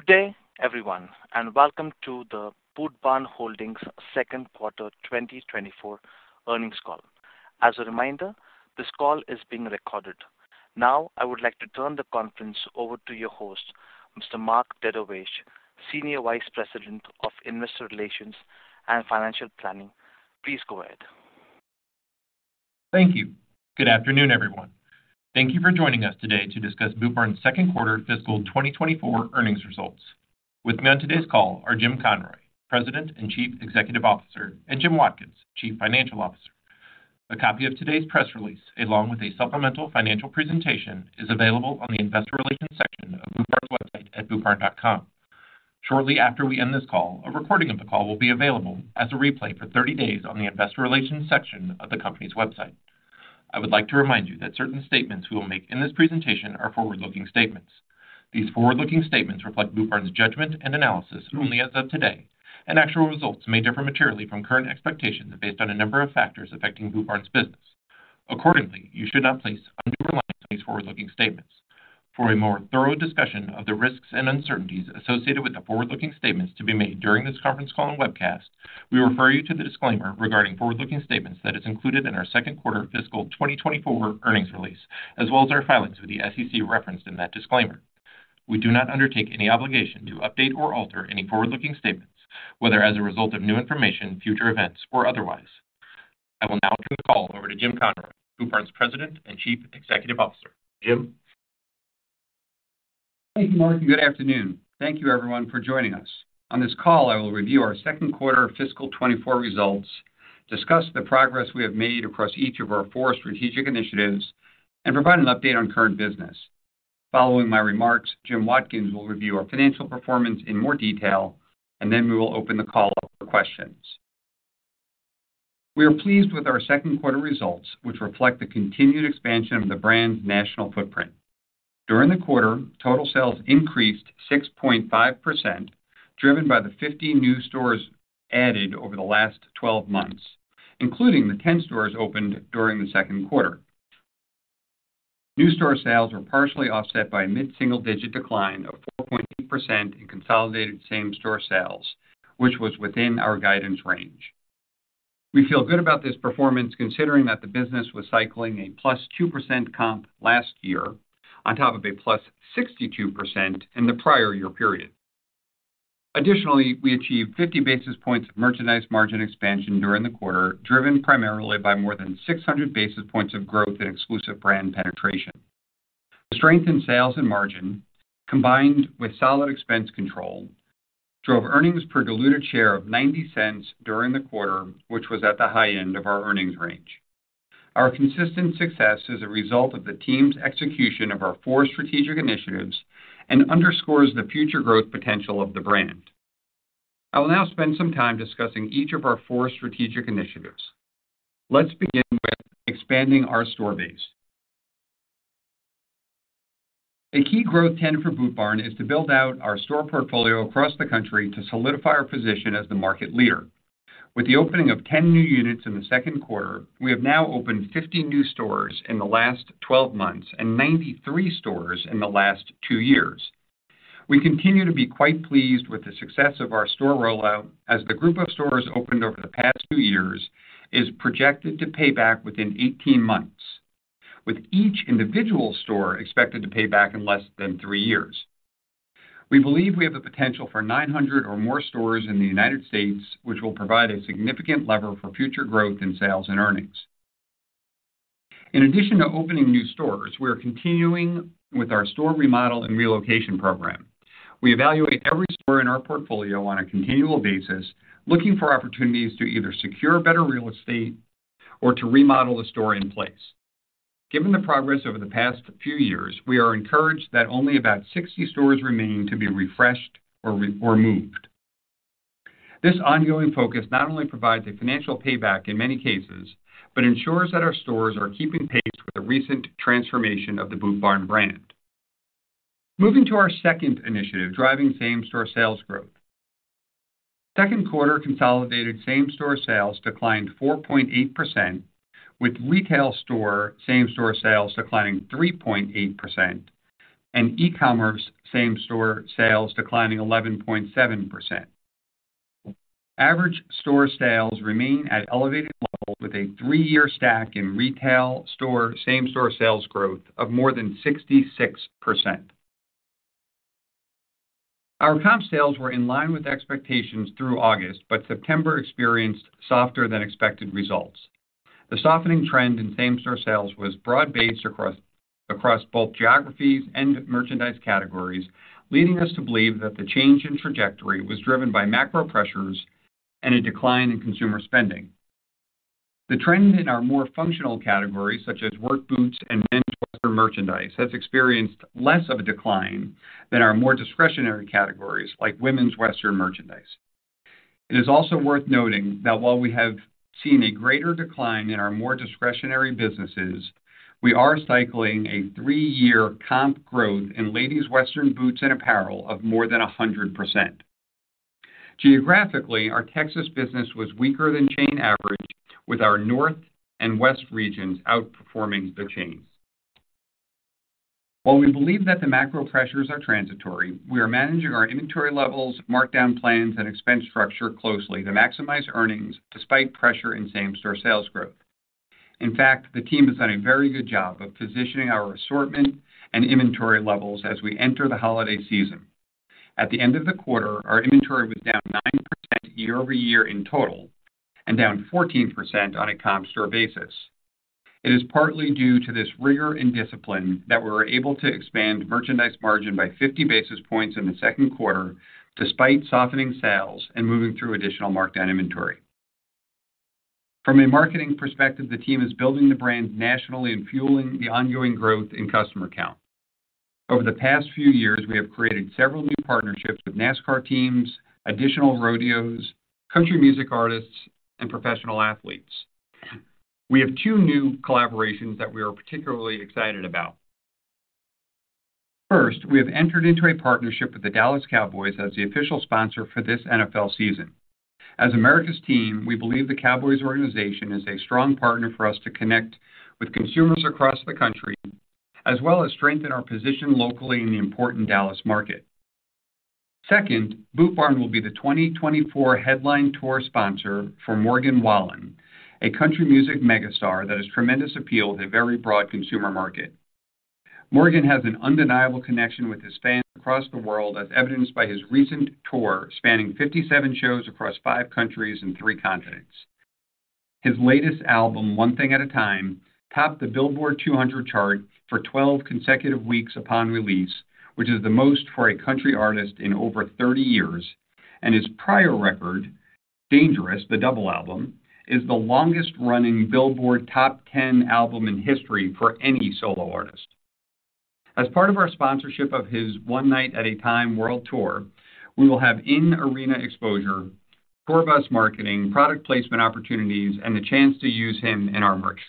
Good day, everyone, and welcome to the Boot Barn Holdings Second Quarter 2024 Earnings Call. As a reminder, this call is being recorded. Now, I would like to turn the conference over to your host, Mr. Mark Dedovesh, Senior Vice President of Investor Relations and Financial Planning. Please go ahead. Thank you. Good afternoon, everyone. Thank you for joining us today to discuss Boot Barn's second quarter fiscal 2024 earnings results. With me on today's call are Jim Conroy, President and Chief Executive Officer, and Jim Watkins, Chief Financial Officer. A copy of today's press release, along with a supplemental financial presentation, is available on the investor relations section of Boot Barn's website at bootbarn.com. Shortly after we end this call, a recording of the call will be available as a replay for 30 days on the investor relations section of the company's website. I would like to remind you that certain statements we will make in this presentation are forward-looking statements. These forward-looking statements reflect Boot Barn's judgment and analysis only as of today, and actual results may differ materially from current expectations based on a number of factors affecting Boot Barn's business. Accordingly, you should not place undue reliance on these forward-looking statements. For a more thorough discussion of the risks and uncertainties associated with the forward-looking statements to be made during this conference call and webcast, we refer you to the disclaimer regarding forward-looking statements that is included in our second quarter fiscal 2024 earnings release, as well as our filings with the SEC referenced in that disclaimer. We do not undertake any obligation to update or alter any forward-looking statements, whether as a result of new information, future events, or otherwise. I will now turn the call over to Jim Conroy, Boot Barn's President and Chief Executive Officer. Jim? Thank you, Mark, and good afternoon. Thank you everyone for joining us. On this call, I will review our second quarter fiscal 2024 results, discuss the progress we have made across each of our four strategic initiatives, and provide an update on current business. Following my remarks, Jim Watkins will review our financial performance in more detail, and then we will open the call up for questions. We are pleased with our second quarter results, which reflect the continued expansion of the brand's national footprint. During the quarter, total sales increased 6.5%, driven by the 50 new stores added over the last 12 months, including the 10 stores opened during the second quarter. New store sales were partially offset by a mid-single-digit decline of 4.8% in consolidated same-store sales, which was within our guidance range. We feel good about this performance, considering that the business was cycling a +2% comp last year, on top of a +62% in the prior year period. Additionally, we achieved 50 basis points of merchandise margin expansion during the quarter, driven primarily by more than 600 basis points of growth in exclusive brand penetration. The strength in sales and margin, combined with solid expense control, drove earnings per diluted share of $0.90 during the quarter, which was at the high end of our earnings range. Our consistent success is a result of the team's execution of our four strategic initiatives and underscores the future growth potential of the brand. I will now spend some time discussing each of our four strategic initiatives. Let's begin with expanding our store base. A key growth tenet for Boot Barn is to build out our store portfolio across the country to solidify our position as the market leader. With the opening of 10 new units in the second quarter, we have now opened 50 new stores in the last 12 months and 93 stores in the last two years. We continue to be quite pleased with the success of our store rollout, as the group of stores opened over the past two years is projected to pay back within 18 months, with each individual store expected to pay back in less than three years. We believe we have the potential for 900 or more stores in the United States, which will provide a significant lever for future growth in sales and earnings. In addition to opening new stores, we are continuing with our store remodel and relocation program. We evaluate every store in our portfolio on a continual basis, looking for opportunities to either secure better real estate or to remodel the store in place. Given the progress over the past few years, we are encouraged that only about 60 stores remain to be refreshed or moved. This ongoing focus not only provides a financial payback in many cases, but ensures that our stores are keeping pace with the recent transformation of the Boot Barn brand. Moving to our second initiative, driving same-store sales growth. Second quarter consolidated same-store sales declined 4.8%, with retail store same-store sales declining 3.8% and e-commerce same-store sales declining 11.7%. Average store sales remain at elevated level, with a three-year stack in retail store same-store sales growth of more than 66%. Our comp sales were in line with expectations through August, but September experienced softer-than-expected results. The softening trend in same-store sales was broad-based across both geographies and merchandise categories, leading us to believe that the change in trajectory was driven by macro pressures and a decline in consumer spending. The trend in our more functional categories, such as work boots and men's western merchandise, has experienced less of a decline than our more discretionary categories, like women's western merchandise. It is also worth noting that while we have seen a greater decline in our more discretionary businesses, we are cycling a three-year comp growth in ladies' western boots and apparel of more than 100%.... Geographically, our Texas business was weaker than chain average, with our north and west regions outperforming the chain. While we believe that the macro pressures are transitory, we are managing our inventory levels, markdown plans, and expense structure closely to maximize earnings despite pressure in same-store sales growth. In fact, the team has done a very good job of positioning our assortment and inventory levels as we enter the holiday season. At the end of the quarter, our inventory was down 9% year-over-year in total and down 14% on a comp store basis. It is partly due to this rigor and discipline that we were able to expand merchandise margin by 50 basis points in the second quarter, despite softening sales and moving through additional markdown inventory. From a marketing perspective, the team is building the brand nationally and fueling the ongoing growth in customer count. Over the past few years, we have created several new partnerships with NASCAR teams, additional rodeos, country music artists, and professional athletes. We have two new collaborations that we are particularly excited about. First, we have entered into a partnership with the Dallas Cowboys as the official sponsor for this NFL season. As America's team, we believe the Cowboys organization is a strong partner for us to connect with consumers across the country, as well as strengthen our position locally in the important Dallas market. Second, Boot Barn will be the 2024 headline tour sponsor for Morgan Wallen, a country music mega star that has tremendous appeal to a very broad consumer market. Morgan has an undeniable connection with his fans across the world, as evidenced by his recent tour, spanning 57 shows across five countries and three continents. His latest album, One Thing at a Time, topped the Billboard 200 chart for 12 consecutive weeks upon release, which is the most for a country artist in over 30 years, and his prior record, Dangerous: The Double Album, is the longest-running Billboard top ten album in history for any solo artist. As part of our sponsorship of his One Night at a Time World Tour, we will have in-arena exposure, tour bus marketing, product placement opportunities, and the chance to use him in our merch.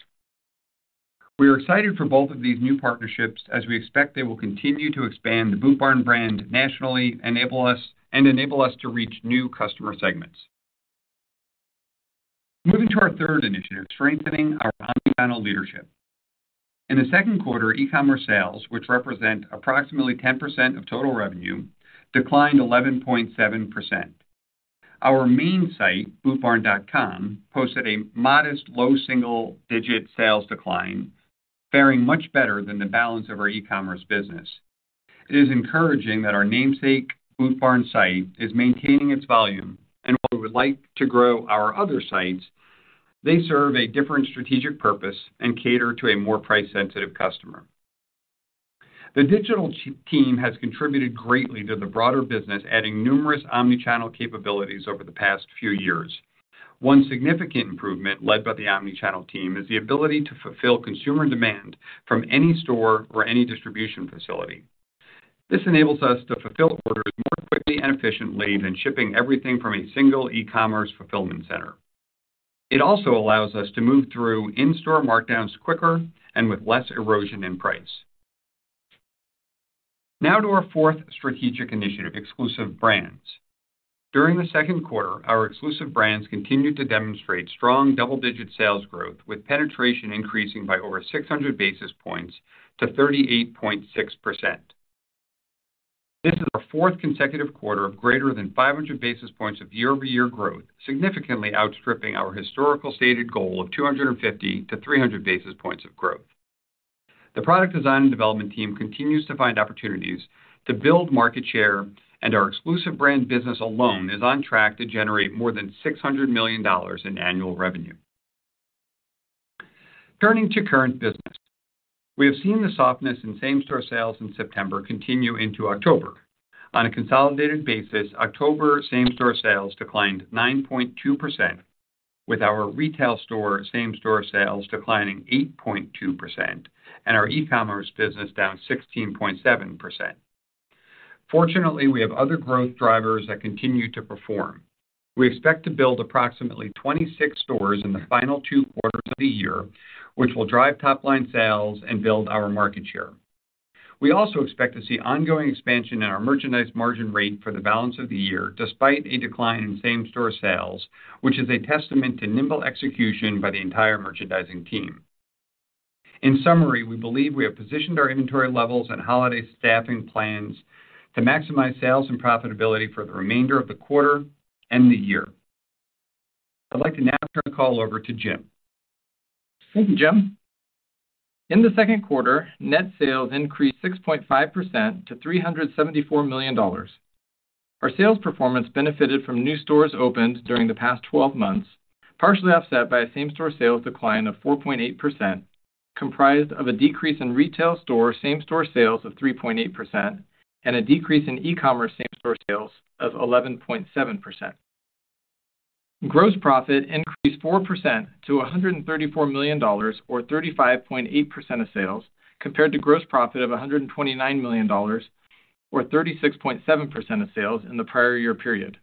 We are excited for both of these new partnerships as we expect they will continue to expand the Boot Barn brand nationally, enable us to reach new customer segments. Moving to our third initiative, strengthening our omnichannel leadership. In the second quarter, e-commerce sales, which represent approximately 10% of total revenue, declined 11.7%. Our main site, bootbarn.com, posted a modest low single-digit sales decline, faring much better than the balance of our e-commerce business. It is encouraging that our namesake Boot Barn site is maintaining its volume, and while we would like to grow our other sites, they serve a different strategic purpose and cater to a more price-sensitive customer. The digital team has contributed greatly to the broader business, adding numerous omnichannel capabilities over the past few years. One significant improvement led by the omnichannel team is the ability to fulfill consumer demand from any store or any distribution facility. This enables us to fulfill orders more quickly and efficiently than shipping everything from a single e-commerce fulfillment center. It also allows us to move through in-store markdowns quicker and with less erosion in price. Now to our fourth strategic initiative, exclusive brands. During the second quarter, our exclusive brands continued to demonstrate strong double-digit sales growth, with penetration increasing by over 600 basis points to 38.6%. This is our fourth consecutive quarter of greater than 500 basis points of year-over-year growth, significantly outstripping our historical stated goal of 250-300 basis points of growth. The product design and development team continues to find opportunities to build market share, and our exclusive brand business alone is on track to generate more than $600 million in annual revenue. Turning to current business. We have seen the softness in same-store sales in September continue into October. On a consolidated basis, October same-store sales declined 9.2%, with our retail store same-store sales declining 8.2% and our e-commerce business down 16.7%. Fortunately, we have other growth drivers that continue to perform. We expect to build approximately 26 stores in the final two quarters of the year, which will drive top-line sales and build our market share. We also expect to see ongoing expansion in our merchandise margin rate for the balance of the year, despite a decline in same-store sales, which is a testament to nimble execution by the entire merchandising team. In summary, we believe we have positioned our inventory levels and holiday staffing plans to maximize sales and profitability for the remainder of the quarter and the year. I'd like to now turn the call over to Jim. Thank you, Jim. In the second quarter, net sales increased 6.5% to $374 million. Our sales performance benefited from new stores opened during the past 12 months, partially offset by a same-store sales decline of 4.8%, comprised of a decrease in retail store same-store sales of 3.8% and a decrease in e-commerce same-store sales of 11.7%. Gross profit increased 4% to $134 million, or 35.8% of sales, compared to gross profit of $129 million, or 36.7% of sales, in the prior year period.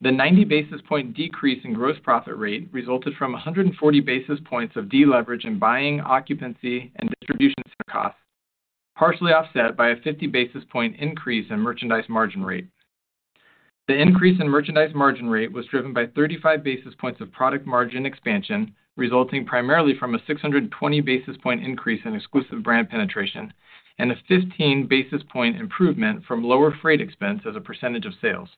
The 90 basis points decrease in gross profit rate resulted from 140 basis points of deleverage in buying, occupancy, and distribution costs, partially offset by a 50 basis points increase in merchandise margin rate. The increase in merchandise margin rate was driven by 35 basis points of product margin expansion, resulting primarily from a 620 basis point increase in exclusive brand penetration and a 15 basis point improvement from lower freight expense as a percentage of sales.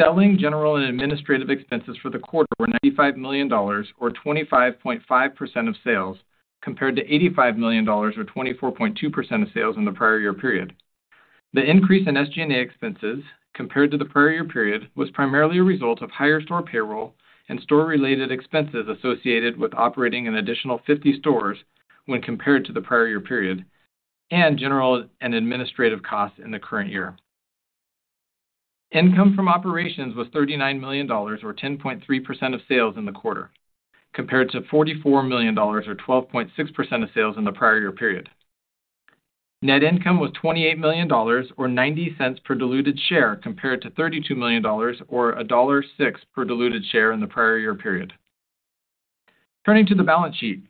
Selling, general, and administrative expenses for the quarter were $95 million, or 25.5% of sales, compared to $85 million, or 24.2% of sales in the prior year period. The increase in SG&A expenses compared to the prior year period was primarily a result of higher store payroll and store-related expenses associated with operating an additional 50 stores when compared to the prior year period, and general and administrative costs in the current year. Income from operations was $39 million, or 10.3% of sales in the quarter, compared to $44 million or 12.6% of sales in the prior year period. Net income was $28 million, or $0.90 per diluted share, compared to $32 million or $1.06 per diluted share in the prior year period. Turning to the balance sheet.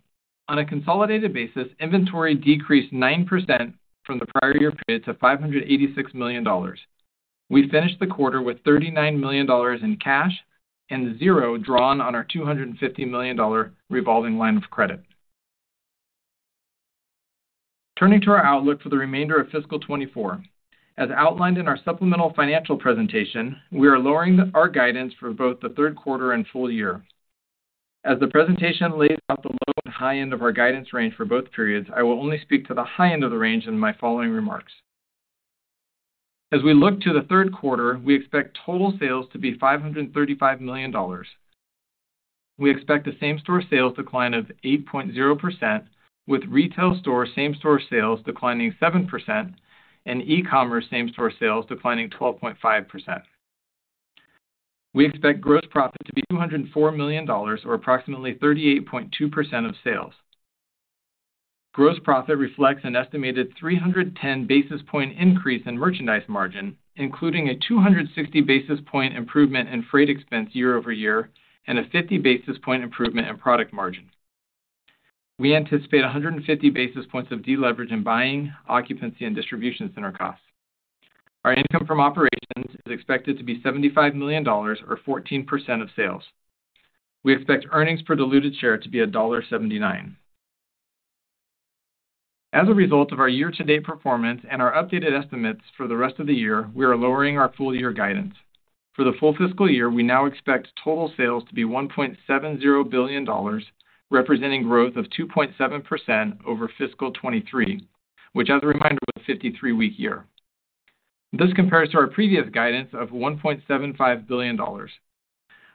On a consolidated basis, inventory decreased 9% from the prior year period to $586 million. We finished the quarter with $39 million in cash and zero drawn on our $250 million revolving line of credit. Turning to our outlook for the remainder of fiscal 2024. As outlined in our supplemental financial presentation, we are lowering our guidance for both the third quarter and full year. As the presentation lays out the low and high end of our guidance range for both periods, I will only speak to the high end of the range in my following remarks. As we look to the third quarter, we expect total sales to be $535 million. We expect the same-store sales decline of 8.0%, with retail store same-store sales declining 7% and e-commerce same-store sales declining 12.5%. We expect gross profit to be $204 million, or approximately 38.2% of sales. Gross profit reflects an estimated 310 basis point increase in merchandise margin, including a 260 basis point improvement in freight expense year over year and a 50 basis point improvement in product margin. We anticipate 150 basis points of deleverage in Buying, Occupancy, and Distribution Center Costs. Our income from operations is expected to be $75 million, or 14% of sales. We expect earnings per diluted share to be $1.79. As a result of our year-to-date performance and our updated estimates for the rest of the year, we are lowering our full-year guidance. For the full fiscal year, we now expect total sales to be $1.70 billion, representing growth of 2.7% over fiscal 2023, which, as a reminder, was a 53-week year. This compares to our previous guidance of $1.75 billion.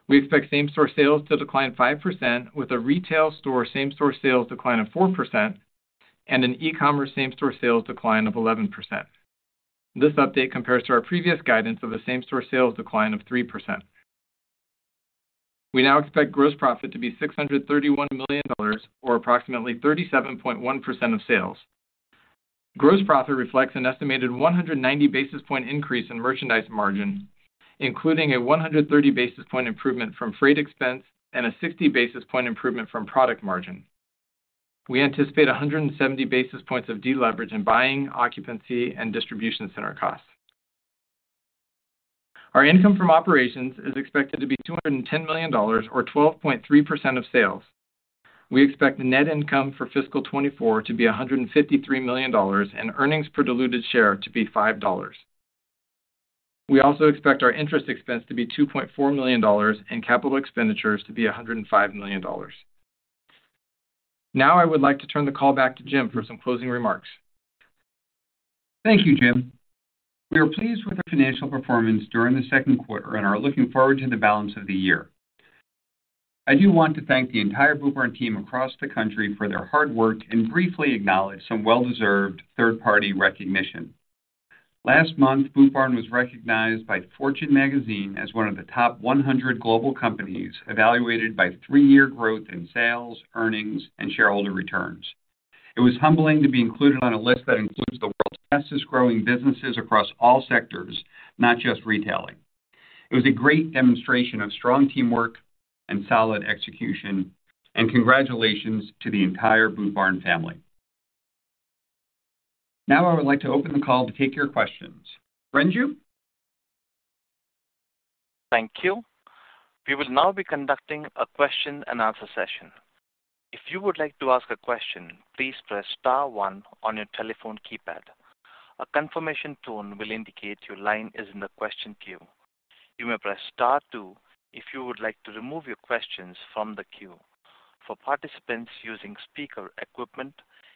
We expect same-store sales to decline 5%, with a retail store same-store sales decline of 4% and an e-commerce same-store sales decline of 11%. This update compares to our previous guidance of a same-store sales decline of 3%. We now expect gross profit to be $631 million, or approximately 37.1% of sales. Gross profit reflects an estimated 190 basis point increase in merchandise margin, including a 130 basis point improvement from freight expense and a 60 basis point improvement from product margin. We anticipate 170 basis points of deleverage in buying, occupancy, and distribution center costs. Our income from operations is expected to be $210 million or 12.3% of sales. We expect net income for fiscal 2024 to be $153 million, and earnings per diluted share to be $5. We also expect our interest expense to be $2.4 million and capital expenditures to be $105 million. Now, I would like to turn the call back to Jim for some closing remarks. Thank you, Jim. We are pleased with the financial performance during the second quarter and are looking forward to the balance of the year. I do want to thank the entire Boot Barn team across the country for their hard work and briefly acknowledge some well-deserved third-party recognition. Last month, Boot Barn was recognized by Fortune Magazine as one of the top 100 global companies evaluated by three-year growth in sales, earnings, and shareholder returns. It was humbling to be included on a list that includes the world's fastest-growing businesses across all sectors, not just retailing. It was a great demonstration of strong teamwork and solid execution, and congratulations to the entire Boot Barn family. Now, I would like to open the call to take your questions. Renju? Thank you. We will now be conducting a question and answer session. If you would like to ask a question, please press star one on your telephone keypad. A confirmation tone will indicate your line is in the question queue. You may press star two if you would like to remove your questions from the queue. For participants using speaker equipment,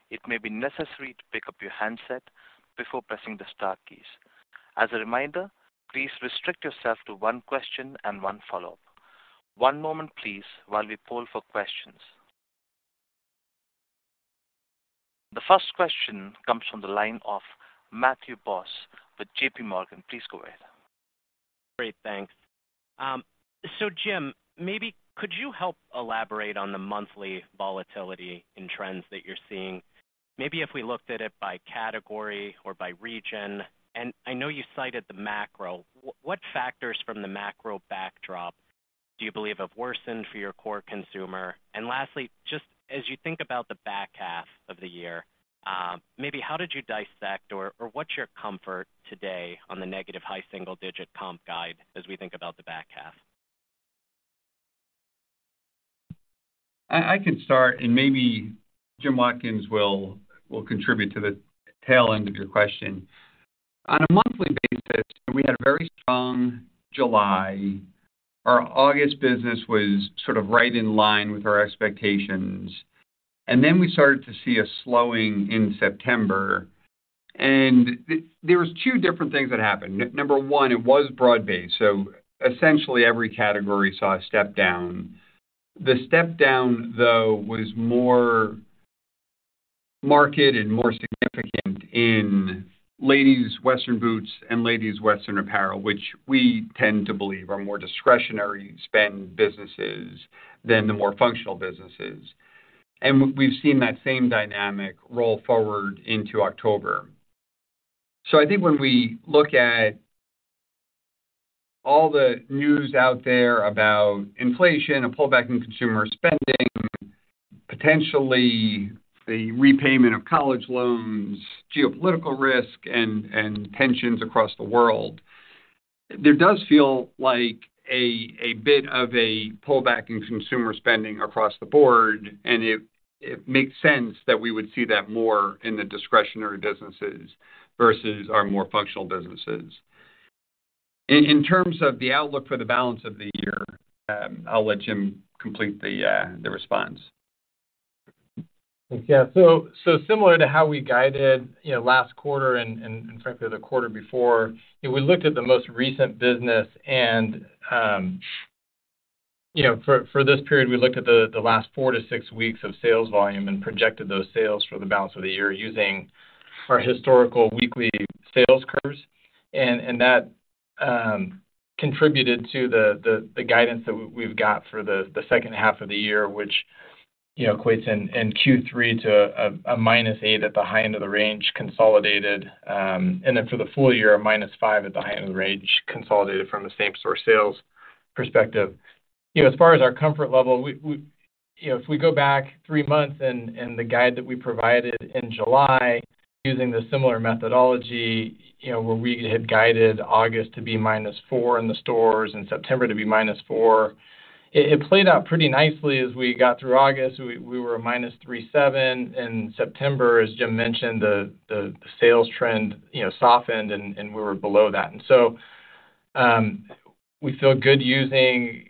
it may be necessary to pick up your handset before pressing the star keys. As a reminder, please restrict yourself to one question and one follow-up. One moment, please, while we poll for questions. The first question comes from the line of Matthew Boss with JP Morgan. Please go ahead. Great, thanks. So Jim, maybe could you help elaborate on the monthly volatility in trends that you're seeing? Maybe if we looked at it by category or by region, and I know you cited the macro. What factors from the macro backdrop do you believe have worsened for your core consumer? And lastly, just as you think about the back half of the year, maybe how did you dissect or what's your comfort today on the negative high single-digit comp guide as we think about the back half? I can start, and maybe Jim Watkins will contribute to the tail end of your question. On a monthly basis, we had a very strong July. Our August business was sort of right in line with our expectations, and then we started to see a slowing in September. There was two different things that happened. Number one, it was broad-based, so essentially every category saw a step down. The step down, though, was more marked and more significant in ladies' western boots and ladies' western apparel, which we tend to believe are more discretionary spend businesses than the more functional businesses. And we've seen that same dynamic roll forward into October. So I think when we look at all the news out there about inflation, a pullback in consumer spending, potentially the repayment of college loans, geopolitical risk and tensions across the world, there does feel like a bit of a pullback in consumer spending across the board, and it makes sense that we would see that more in the discretionary businesses versus our more functional businesses. In terms of the outlook for the balance of the year, I'll let Jim complete the response. Yeah. So similar to how we guided, you know, last quarter and frankly the quarter before, we looked at the most recent business and, you know, for this period, we looked at the last four-six weeks of sales volume and projected those sales for the balance of the year using our historical weekly sales curves. And that contributed to the guidance that we've got for the second half of the year, which, you know, equates in Q3 to a -8% at the high end of the range consolidated, and then for the full year, a -5% at the high end of the range, consolidated from a same-store sales perspective. You know, as far as our comfort level, we—you know, if we go back three months and the guide that we provided in July using the similar methodology, you know, where we had guided August to be -4 in the stores and September to be -4, it played out pretty nicely as we got through August. We were -3.7 in September. As Jim mentioned, the sales trend, you know, softened, and we were below that. And so, we feel good using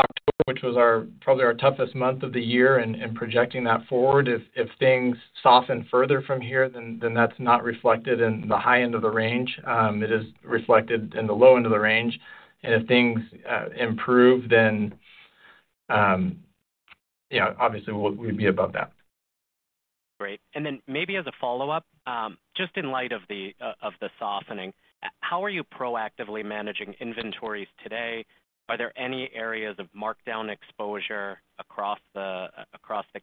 October, which was probably our toughest month of the year, and projecting that forward. If things soften further from here, then that's not reflected in the high end of the range. It is reflected in the low end of the range. If things improve, then yeah, obviously, we'd be above that. Great. And then maybe as a follow-up, just in light of the softening, how are you proactively managing inventories today? Are there any areas of markdown exposure across the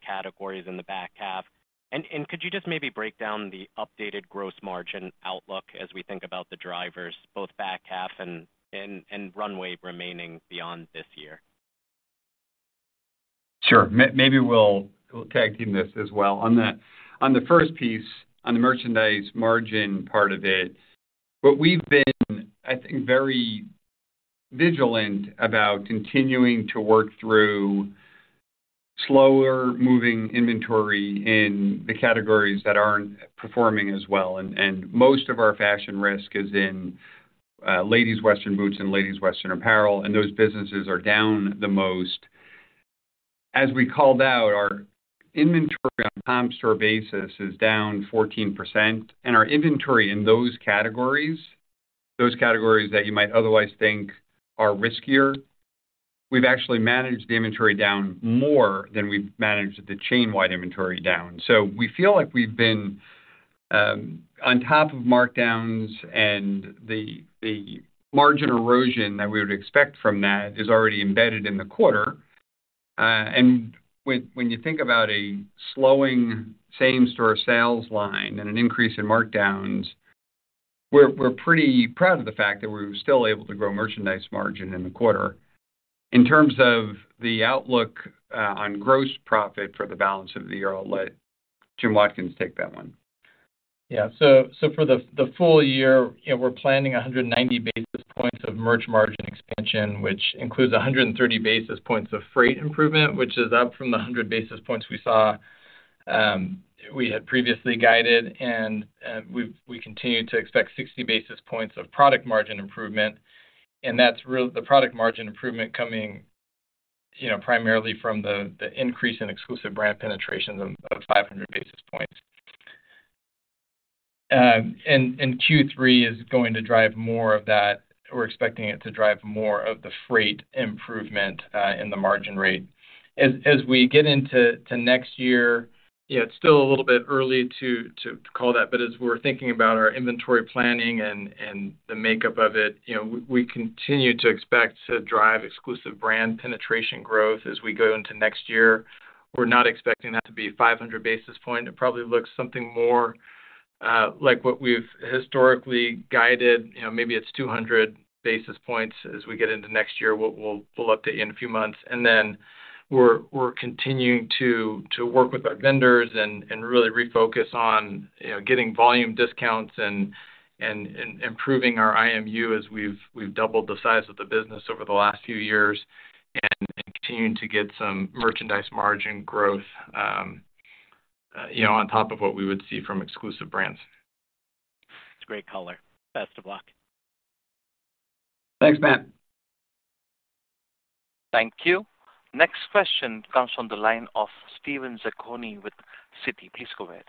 categories in the back half? And could you just maybe break down the updated gross margin outlook as we think about the drivers, both back half and runway remaining beyond this year? Sure. Maybe we'll tag team this as well. On the first piece, on the merchandise margin part of it, what we've been, I think, very vigilant about continuing to work through slower moving inventory in the categories that aren't performing as well. And most of our fashion risk is in ladies' western boots and ladies' western apparel, and those businesses are down the most. As we called out, our inventory on comp store basis is down 14%, and our inventory in those categories, those categories that you might otherwise think are riskier, we've actually managed the inventory down more than we've managed the chain-wide inventory down. So we feel like we've been on top of markdowns, and the margin erosion that we would expect from that is already embedded in the quarter. And when, when you think about a slowing same-store sales line and an increase in markdowns, we're, we're pretty proud of the fact that we were still able to grow merchandise margin in the quarter. In terms of the outlook, on gross profit for the balance of the year, I'll let Jim Watkins take that one. Yeah. So for the full year, you know, we're planning 190 basis points of merch margin expansion, which includes 130 basis points of freight improvement, which is up from the 100 basis points we saw, we had previously guided, and we've continue to expect 60 basis points of product margin improvement, and that's the product margin improvement coming, you know, primarily from the increase in exclusive brand penetration of 500 basis points. And Q3 is going to drive more of that. We're expecting it to drive more of the freight improvement in the margin rate. As we get into next year, yeah, it's still a little bit early to call that, but as we're thinking about our inventory planning and the makeup of it, you know, we continue to expect to drive exclusive brand penetration growth as we go into next year. We're not expecting that to be 500 basis points. It probably looks something more- ... like what we've historically guided, you know, maybe it's 200 basis points as we get into next year. We'll update you in a few months, and then we're continuing to work with our vendors and really refocus on, you know, getting volume discounts and improving our IMU as we've doubled the size of the business over the last few years and continuing to get some merchandise margin growth, you know, on top of what we would see from exclusive brands. It's a great color. Best of luck. Thanks, Matt. Thank you. Next question comes from the line of Steven Zaccone with Citi. Please go ahead.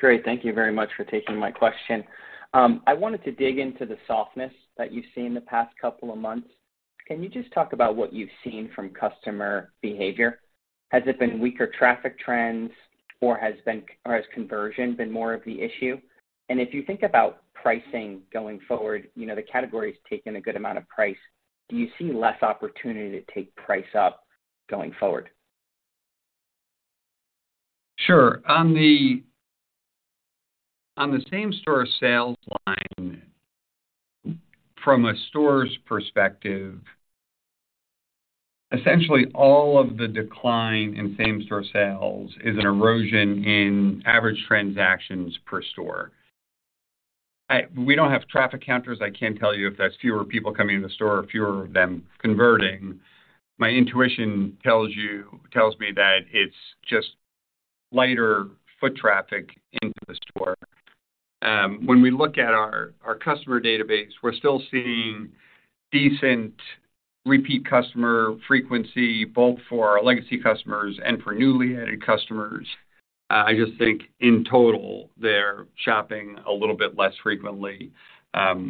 Great, thank you very much for taking my question. I wanted to dig into the softness that you've seen in the past couple of months. Can you just talk about what you've seen from customer behavior? Has it been weaker traffic trends, or has conversion been more of the issue? And if you think about pricing going forward, you know, the category's taken a good amount of price. Do you see less opportunity to take price up going forward? Sure. On the, on the same-store sales line, from a store's perspective, essentially all of the decline in same-store sales is an erosion in average transactions per store. We don't have traffic counters. I can't tell you if there's fewer people coming to the store or fewer of them converting. My intuition tells you, tells me that it's just lighter foot traffic into the store. When we look at our, our customer database, we're still seeing decent repeat customer frequency, both for our legacy customers and for newly added customers. I just think in total, they're shopping a little bit less frequently,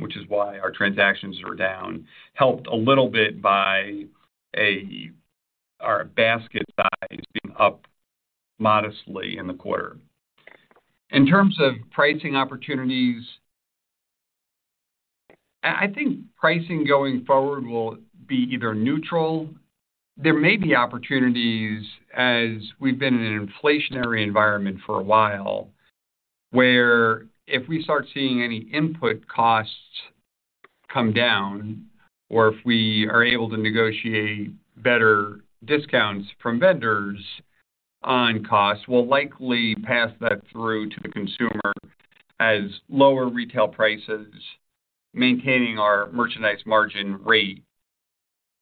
which is why our transactions are down, helped a little bit by a, our basket size being up modestly in the quarter. In terms of pricing opportunities, I, I think pricing going forward will be either neutral... There may be opportunities as we've been in an inflationary environment for a while, where if we start seeing any input costs come down or if we are able to negotiate better discounts from vendors on costs, we'll likely pass that through to the consumer as lower retail prices, maintaining our merchandise margin rate.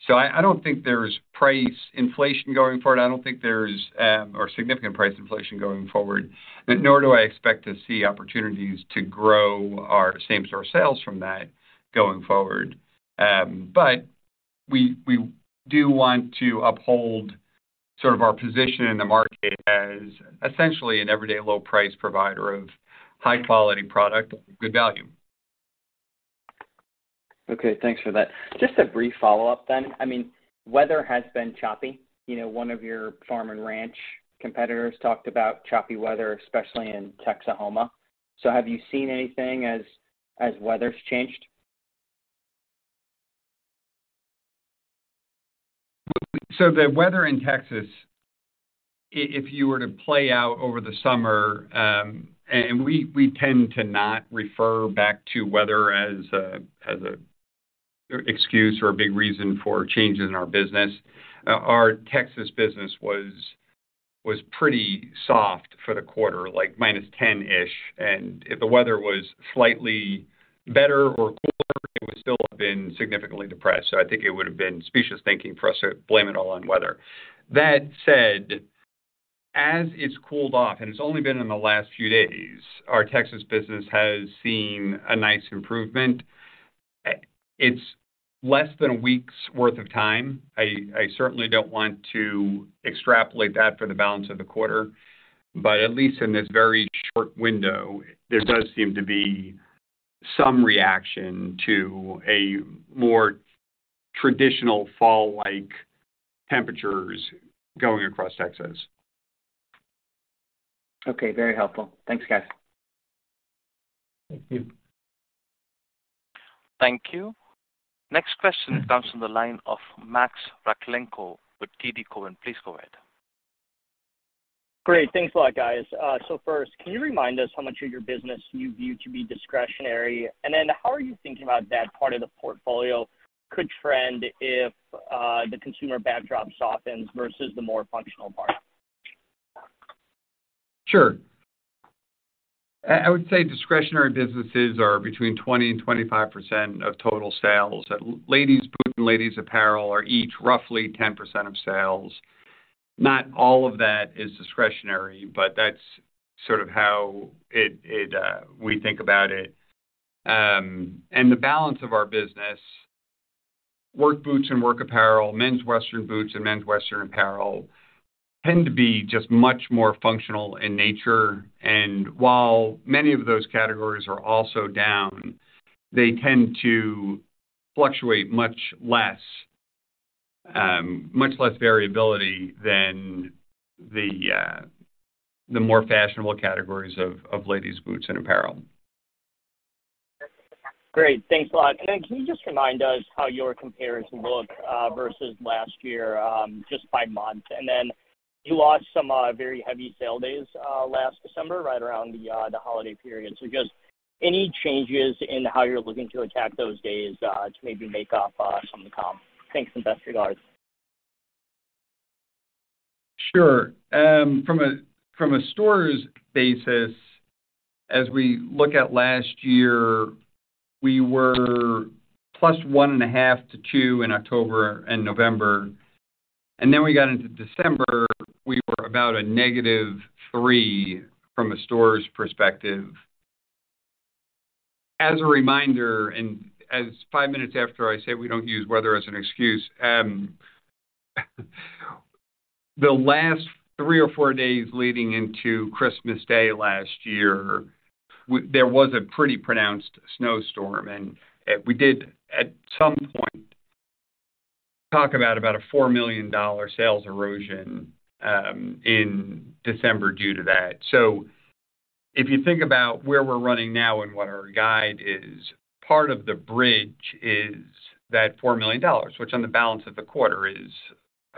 So I, I don't think there's price inflation going forward. I don't think there's, or significant price inflation going forward, nor do I expect to see opportunities to grow our same-store sales from that going forward. But we, we do want to uphold sort of our position in the market as essentially an everyday low price provider of high-quality product, good value. Okay, thanks for that. Just a brief follow-up then. I mean, weather has been choppy. You know, one of your farm and ranch competitors talked about choppy weather, especially in Texoma. So have you seen anything as weather's changed? So the weather in Texas, if you were to play out over the summer, and we tend to not refer back to weather as an excuse or a big reason for changes in our business. Our Texas business was pretty soft for the quarter, like -10-ish, and if the weather was slightly better or cooler, it would still have been significantly depressed. So I think it would have been specious thinking for us to blame it all on weather. That said, as it's cooled off, and it's only been in the last few days, our Texas business has seen a nice improvement. It's less than a week's worth of time. I certainly don't want to extrapolate that for the balance of the quarter, but at least in this very short window, there does seem to be some reaction to a more traditional fall-like temperatures going across Texas. Okay, very helpful. Thanks, guys. Thank you. Thank you. Next question comes from the line of Max Rakhlenko with TD Cowen. Please go ahead. Great. Thanks a lot, guys. So first, can you remind us how much of your business you view to be discretionary? And then how are you thinking about that part of the portfolio could trend if the consumer backdrop softens versus the more functional part? Sure. I would say discretionary businesses are between 20 and 25% of total sales. Ladies' boot and ladies' apparel are each roughly 10% of sales. Not all of that is discretionary, but that's sort of how we think about it. And the balance of our business, work boots and work apparel, men's western boots and men's western apparel, tend to be just much more functional in nature. And while many of those categories are also down, they tend to fluctuate much less, much less variability than the more fashionable categories of ladies' boots and apparel.... Great. Thanks a lot. And then can you just remind us how your compares look versus last year, just by month? And then you lost some very heavy sale days last December, right around the holiday period. So just any changes in how you're looking to attack those days to maybe make up some of the comp? Thanks, and best regards. Sure. From a stores basis, as we look at last year, we were +1.5-two in October and November, and then we got into December, we were about -3 from a stores perspective. As a reminder, and as five minutes after I say, we don't use weather as an excuse, the last three or four days leading into Christmas Day last year, there was a pretty pronounced snowstorm, and we did at some point talk about a $4 million sales erosion in December due to that. So if you think about where we're running now and what our guide is, part of the bridge is that $4 million, which on the balance of the quarter is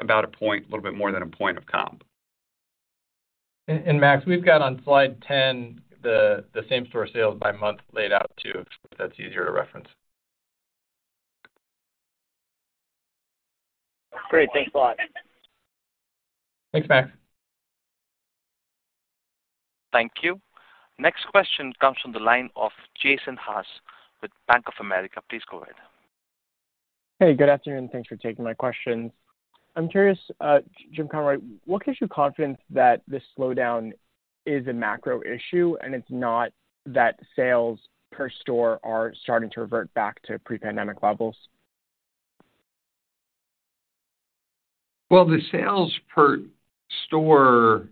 about a point, a little bit more than a point of comp. Max, we've got on slide 10, the same-store sales by month laid out, too, if that's easier to reference. Great. Thanks a lot. Thanks, Max. Thank you. Next question comes from the line of Jason Haas with Bank of America. Please go ahead. Hey, good afternoon. Thanks for taking my questions. I'm curious, Jim Conroy, what gives you confidence that this slowdown is a macro issue, and it's not that sales per store are starting to revert back to pre-pandemic levels? Well, the sales per store,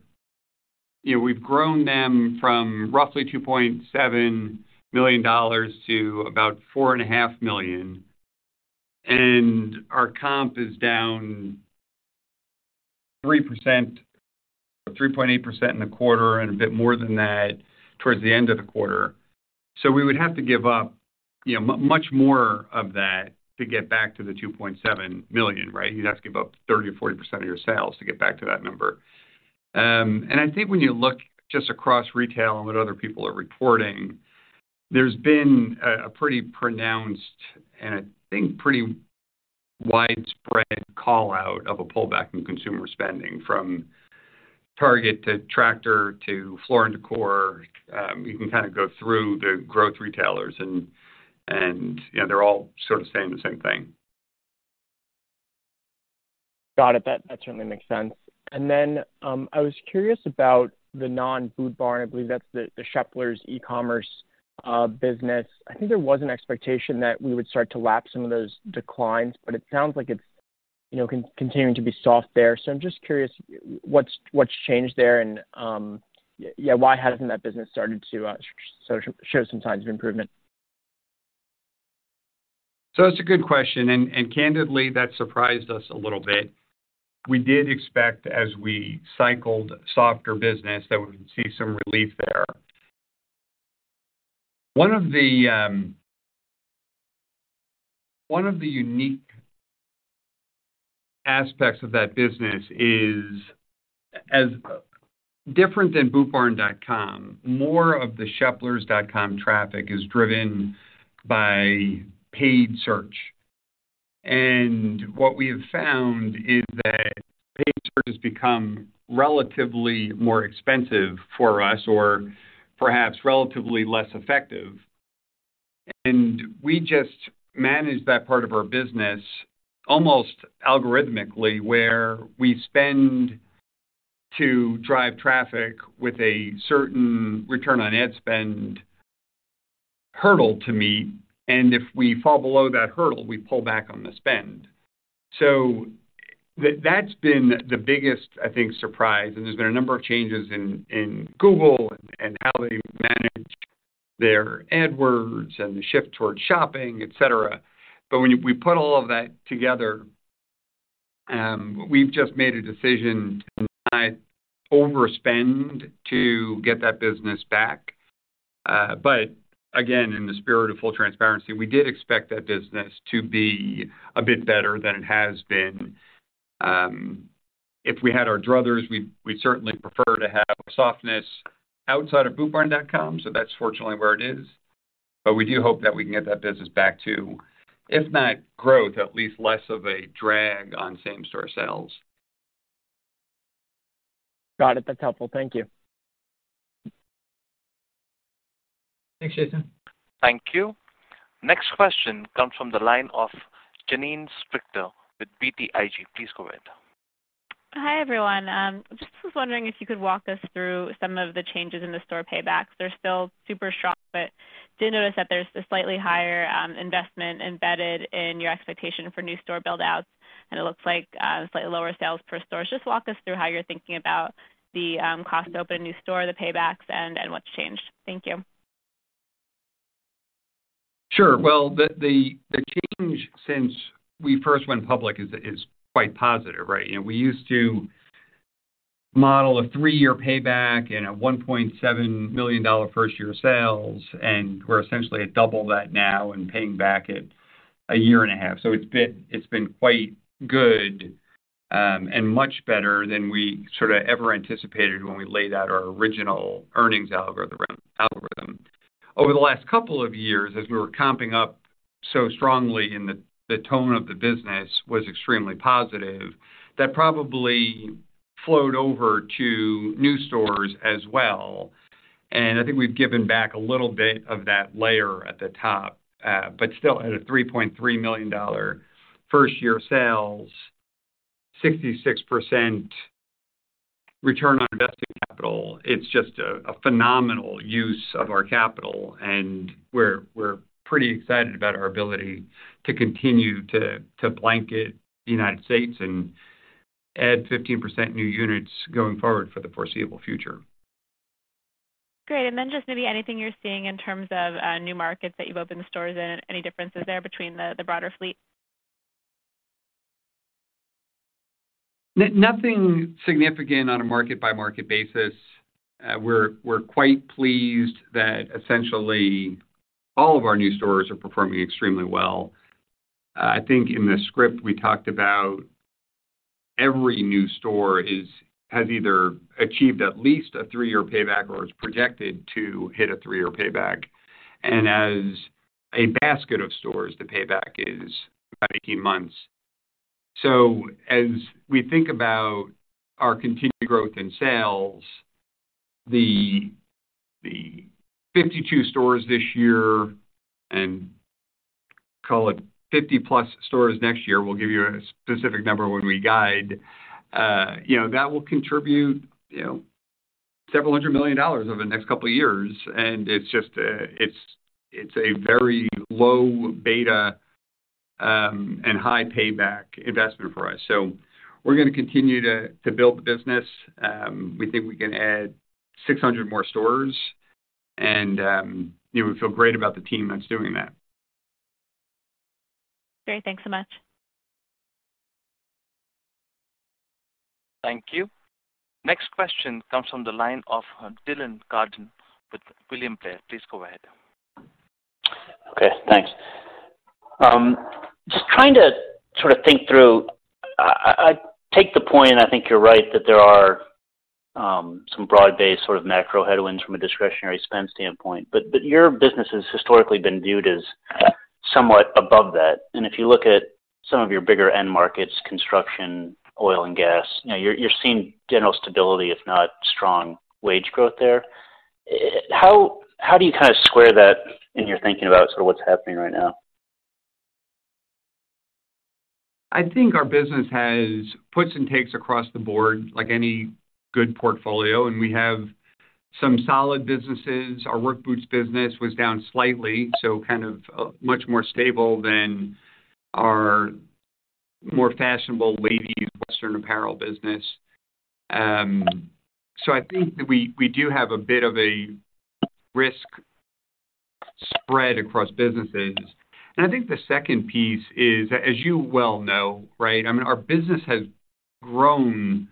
you know, we've grown them from roughly $2.7 million to about $4.5 million, and our comp is down 3% or 3.8% in the quarter and a bit more than that towards the end of the quarter. So we would have to give up, you know, much more of that to get back to the $2.7 million, right? You'd have to give up 30% or 40% of your sales to get back to that number. And I think when you look just across retail and what other people are reporting, there's been a pretty pronounced and I think pretty widespread call-out of a pullback in consumer spending, from Target to Tractor Supply to Floor & Decor. You can kind of go through the growth retailers and, you know, they're all sort of saying the same thing. Got it. That, that certainly makes sense. And then, I was curious about the non-Boot Barn. I believe that's the, the Sheplers e-commerce business. I think there was an expectation that we would start to lap some of those declines, but it sounds like it's, you know, continuing to be soft there. So I'm just curious, what's, what's changed there, and, yeah, why hasn't that business started to show some signs of improvement? So it's a good question, and, and candidly, that surprised us a little bit. We did expect, as we cycled softer business, that we would see some relief there. One of the unique aspects of that business is as different than bootbarn.com, more of the sheplers.com traffic is driven by paid search. And what we have found is that paid search has become relatively more expensive for us or perhaps relatively less effective. And we just manage that part of our business almost algorithmically, where we spend to drive traffic with a certain return on ad spend hurdle to meet, and if we fall below that hurdle, we pull back on the spend. So that's been the biggest, I think, surprise, and there's been a number of changes in, in Google and, and how they manage their AdWords and the shift towards shopping, et cetera. But when we put all of that together, we've just made a decision to not overspend to get that business back. But again, in the spirit of full transparency, we did expect that business to be a bit better than it has been. If we had our druthers, we'd certainly prefer to have softness outside of bootbarn.com, so that's fortunately where it is. But we do hope that we can get that business back to, if not growth, at least less of a drag on same-store sales. Got it. That's helpful. Thank you. Thanks, Jason. Thank you. Next question comes from the line of Janine Stichter with BTIG. Please go ahead. Hi, everyone. Just was wondering if you could walk us through some of the changes in the store paybacks. They're still super strong, but did notice that there's a slightly higher, investment embedded in your expectation for new store build-outs, and it looks like, slightly lower sales per store. Just walk us through how you're thinking about the, cost to open a new store, the paybacks, and, and what's changed. Thank you. Sure. Well, the change since we first went public is quite positive, right? You know, we used to model a three-year payback and a $1.7 million first-year sales, and we're essentially at double that now and paying back at a year and a half. So it's been quite good, and much better than we sort of ever anticipated when we laid out our original earnings algorithm. Over the last couple of years, as we were comping up so strongly and the tone of the business was extremely positive, that probably flowed over to new stores as well. And I think we've given back a little bit of that layer at the top, but still at a $3.3 million first-year sales, 66% return on invested capital. It's just a phenomenal use of our capital, and we're pretty excited about our ability to continue to blanket the United States and add 15% new units going forward for the foreseeable future. Great. And then just maybe anything you're seeing in terms of new markets that you've opened the stores in, any differences there between the broader fleet? Nothing significant on a market-by-market basis. We're quite pleased that essentially all of our new stores are performing extremely well. I think in the script, we talked about every new store has either achieved at least a three-year payback or is projected to hit a three-year payback. And as a basket of stores, the payback is about 18 months. So as we think about our continued growth in sales, the 52 stores this year, and call it 50+ stores next year, we'll give you a specific number when we guide. You know, that will contribute, you know, $several hundred million over the next couple of years, and it's just a... It's a very low beta and high payback investment for us. So we're going to continue to build the business. We think we can add 600 more stores, and we feel great about the team that's doing that. Great. Thanks so much. Thank you. Next question comes from the line of Dylan Carden with William Blair. Please go ahead. Okay, thanks. Just trying to sort of think through, I take the point, and I think you're right, that there are some broad-based sort of macro headwinds from a discretionary spend standpoint. But your business has historically been viewed as somewhat above that. And if you look at some of your bigger end markets, construction, oil and gas, you know, you're seeing general stability, if not strong wage growth there. How do you square that in your thinking about sort of what's happening right now? I think our business has puts and takes across the board, like any good portfolio, and we have some solid businesses. Our work boots business was down slightly, so kind of much more stable than our more fashionable ladies' western apparel business. So I think that we do have a bit of a risk spread across businesses. And I think the second piece is, as you well know, right? I mean, our business has grown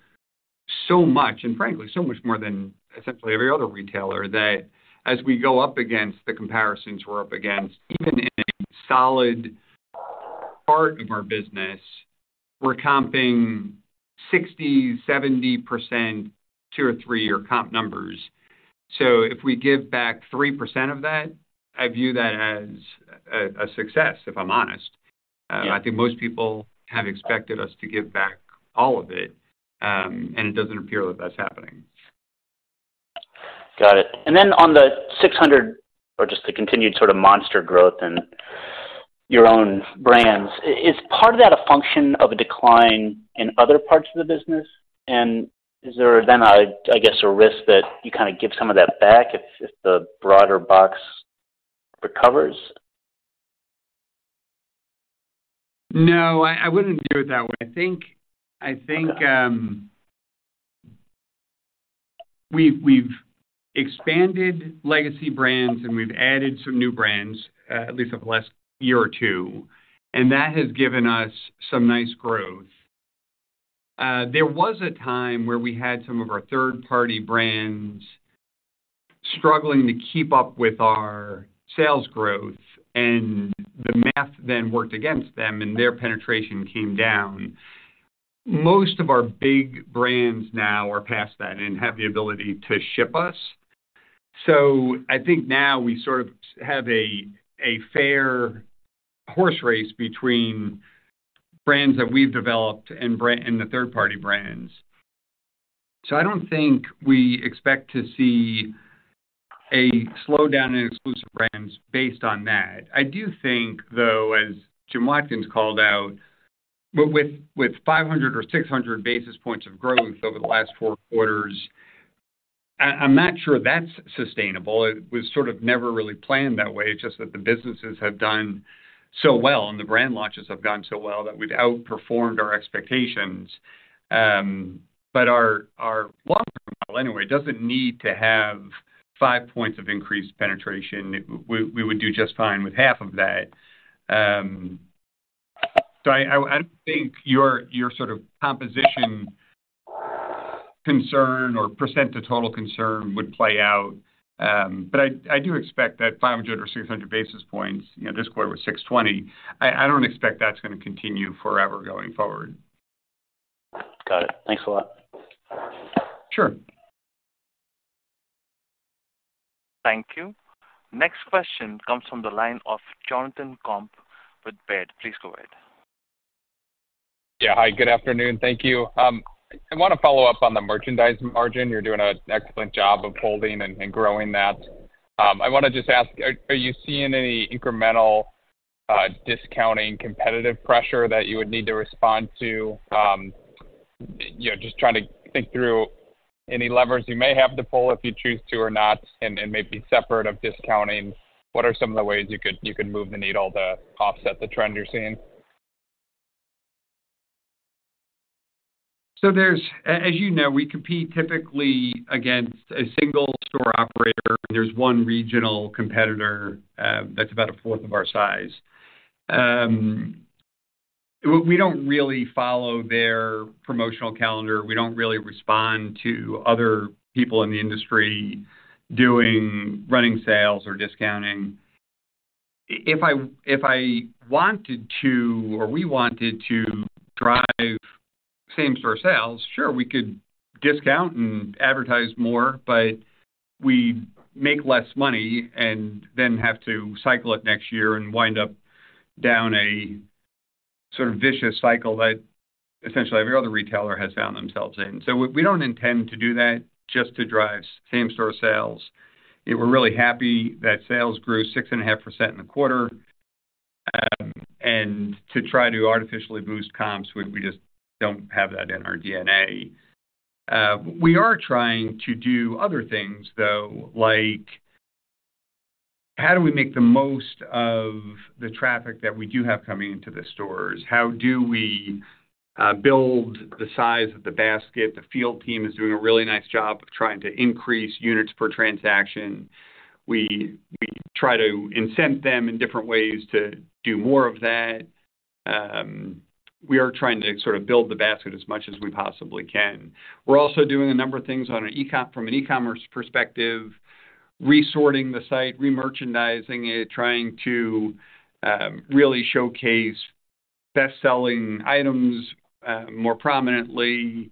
so much, and frankly, so much more than essentially every other retailer, that as we go up against the comparisons we're up against, even in a solid part of our business, we're comping 60-70%, two- or three-year comp numbers. So if we give back 3% of that, I view that as a success, if I'm honest. Yeah. I think most people have expected us to give back all of it, and it doesn't appear that that's happening. Got it. And then on the 600 or just the continued sort of monster growth in your own brands, is part of that a function of a decline in other parts of the business? And is there then, I, I guess, a risk that you kind of give some of that back if, if the broader box recovers? No, I, I wouldn't view it that way. I think, I think, we've, we've expanded legacy brands, and we've added some new brands, at least over the last year or two, and that has given us some nice growth. There was a time where we had some of our third-party brands struggling to keep up with our sales growth, and the math then worked against them, and their penetration came down. Most of our big brands now are past that and have the ability to ship us. So I think now we sort of have a, a fair horse race between brands that we've developed and the third-party brands. So I don't think we expect to see a slowdown in exclusive brands based on that. I do think, though, as Jim Watkins called out, with 500 or 600 basis points of growth over the last four quarters, I'm not sure that's sustainable. It was sort of never really planned that way. It's just that the businesses have done so well, and the brand launches have gone so well that we've outperformed our expectations. But our long-term model, anyway, doesn't need to have 5 points of increased penetration. We would do just fine with half of that. So I don't think your sort of composition concern or percent to total concern would play out. But I do expect that 500 or 600 basis points, you know, this quarter was 620. I don't expect that's gonna continue forever going forward. Got it. Thanks a lot. Sure. Thank you. Next question comes from the line of Jonathan Komp with Baird. Please go ahead. Yeah. Hi, good afternoon. Thank you. I wanna follow up on the merchandise margin. You're doing an excellent job of holding and, and growing that. I wanna just ask, are, are you seeing any incremental discounting competitive pressure that you would need to respond to? You know, just trying to think through any levers you may have to pull if you choose to or not, and, and maybe separate of discounting, what are some of the ways you could, you could move the needle to offset the trend you're seeing? So as you know, we compete typically against a single store operator. There's one regional competitor that's about a fourth of our size. We don't really follow their promotional calendar. We don't really respond to other people in the industry doing running sales or discounting. If I wanted to, or we wanted to drive same-store sales, sure, we could discount and advertise more, but we make less money and then have to cycle it next year and wind up down a sort of vicious cycle that essentially every other retailer has found themselves in. So we don't intend to do that just to drive same-store sales. We're really happy that sales grew 6.5% in the quarter. And to try to artificially boost comps, we just don't have that in our DNA. We are trying to do other things, though, like how do we make the most of the traffic that we do have coming into the stores? How do we build the size of the basket? The field team is doing a really nice job of trying to increase units per transaction. We try to incent them in different ways to do more of that. We are trying to sort of build the basket as much as we possibly can. We're also doing a number of things on an e-commerce, from an e-commerce perspective, resorting the site, remerchandising it, trying to really showcase best-selling items more prominently,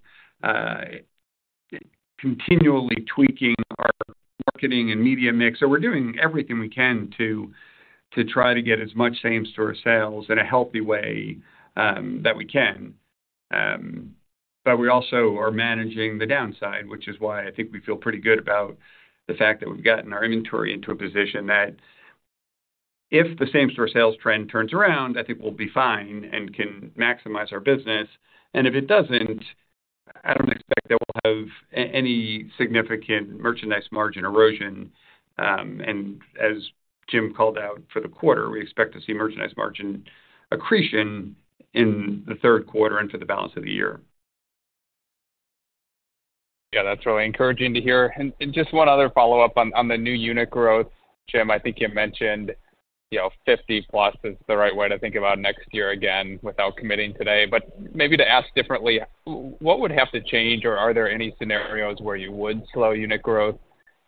continually tweaking our marketing and media mix. So we're doing everything we can to try to get as much same-store sales in a healthy way that we can. But we also are managing the downside, which is why I think we feel pretty good about the fact that we've gotten our inventory into a position that if the same-store sales trend turns around, I think we'll be fine and can maximize our business. And if it doesn't, I don't expect that we'll have any significant merchandise margin erosion. And as Jim called out for the quarter, we expect to see merchandise margin accretion in the third quarter and for the balance of the year. Yeah, that's really encouraging to hear. And just one other follow-up on the new unit growth. Jim, I think you mentioned, you know, 50+ is the right way to think about next year again, without committing today. But maybe to ask differently, what would have to change, or are there any scenarios where you would slow unit growth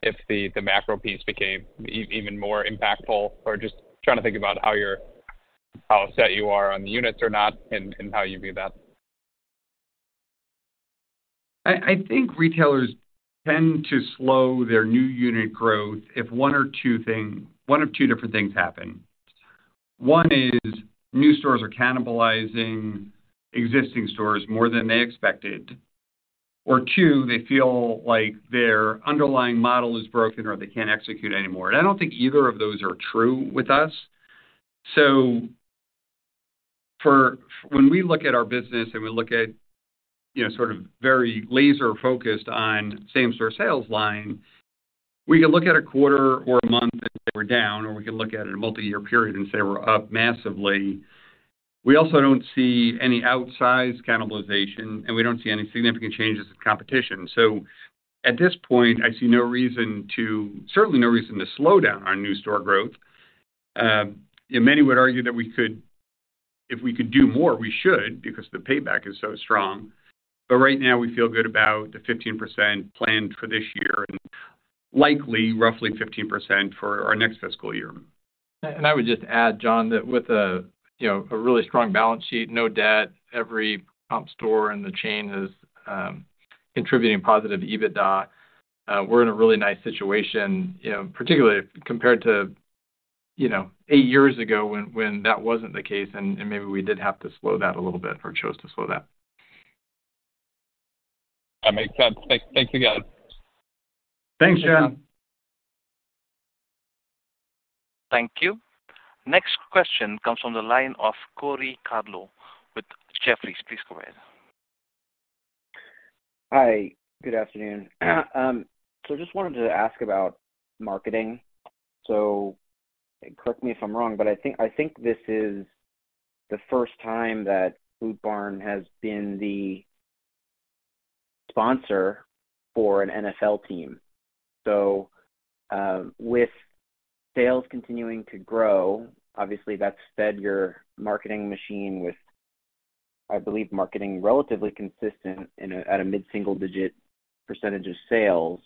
if the macro piece became even more impactful? Or just trying to think about how you're how set you are on the units or not, and how you view that. I think retailers tend to slow their new unit growth if one of two different things happen. One is new stores are cannibalizing existing stores more than they expected, or two, they feel like their underlying model is broken, or they can't execute anymore. And I don't think either of those are true with us. So when we look at our business and we look at, you know, sort of very laser-focused on same-store sales line, we can look at a quarter or a month, and say we're down, or we can look at it a multiyear period and say we're up massively. We also don't see any outsized cannibalization, and we don't see any significant changes in competition. So at this point, I see no reason to-certainly no reason to slow down our new store growth. Many would argue that we could, if we could do more, we should, because the payback is so strong. But right now, we feel good about the 15% planned for this year and likely roughly 15% for our next fiscal year. I would just add, John, that with a, you know, a really strong balance sheet, no debt, every comp store in the chain is contributing positive EBITDA. We're in a really nice situation, you know, particularly compared to, you know, eight years ago when that wasn't the case and maybe we did have to slow down a little bit or chose to slow down. That makes sense. Thanks, thanks, you guys. Thanks, John. Thank you. Next question comes from the line of Corey Tarlowe with Jefferies. Please go ahead. Hi, good afternoon. So just wanted to ask about marketing. So correct me if I'm wrong, but I think, I think this is the first time that Boot Barn has been the sponsor for an NFL team. So with sales continuing to grow, obviously, that's fed your marketing machine with, I believe, marketing relatively consistent at a mid-single-digit % of sales.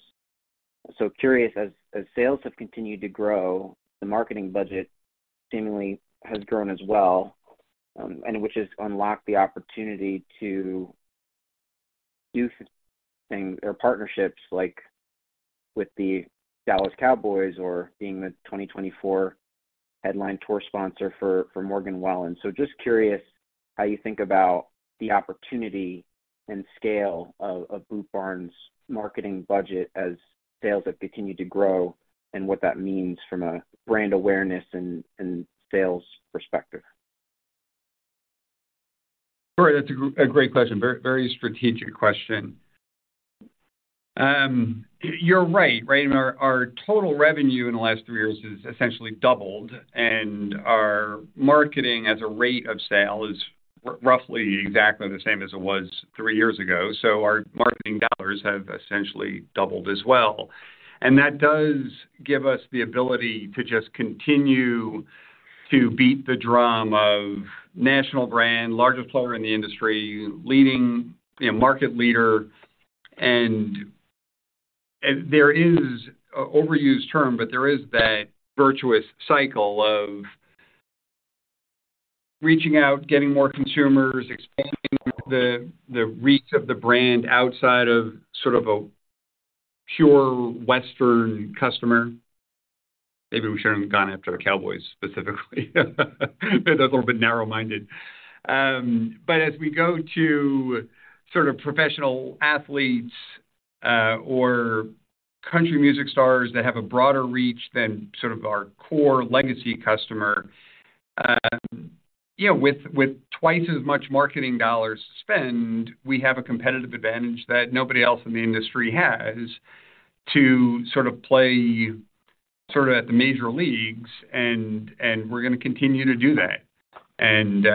So curious, as sales have continued to grow, the marketing budget seemingly has grown as well, and which has unlocked the opportunity to do things or partnerships like with the Dallas Cowboys or being the 2024 headline tour sponsor for Morgan Wallen. So just curious how you think about the opportunity and scale of Boot Barn's marketing budget as sales have continued to grow and what that means from a brand awareness and sales perspective. Great. That's a great question. Very, very strategic question. You're right, right? Our total revenue in the last three years is essentially doubled, and our marketing as a rate of sale is roughly exactly the same as it was three years ago. So our marketing dollars have essentially doubled as well. And that does give us the ability to just continue to beat the drum of national brand, largest player in the industry, leading, you know, market leader. And there is an overused term, but there is that virtuous cycle of reaching out, getting more consumers, expanding the reach of the brand outside of sort of a pure Western customer. Maybe we shouldn't have gone after the Cowboys specifically. That's a little bit narrow-minded. But as we go to sort of professional athletes, or country music stars that have a broader reach than sort of our core legacy customer, you know, with, with twice as much marketing dollars to spend, we have a competitive advantage that nobody else in the industry has, to sort of play sort of at the major leagues, and, and we're going to continue to do that. And,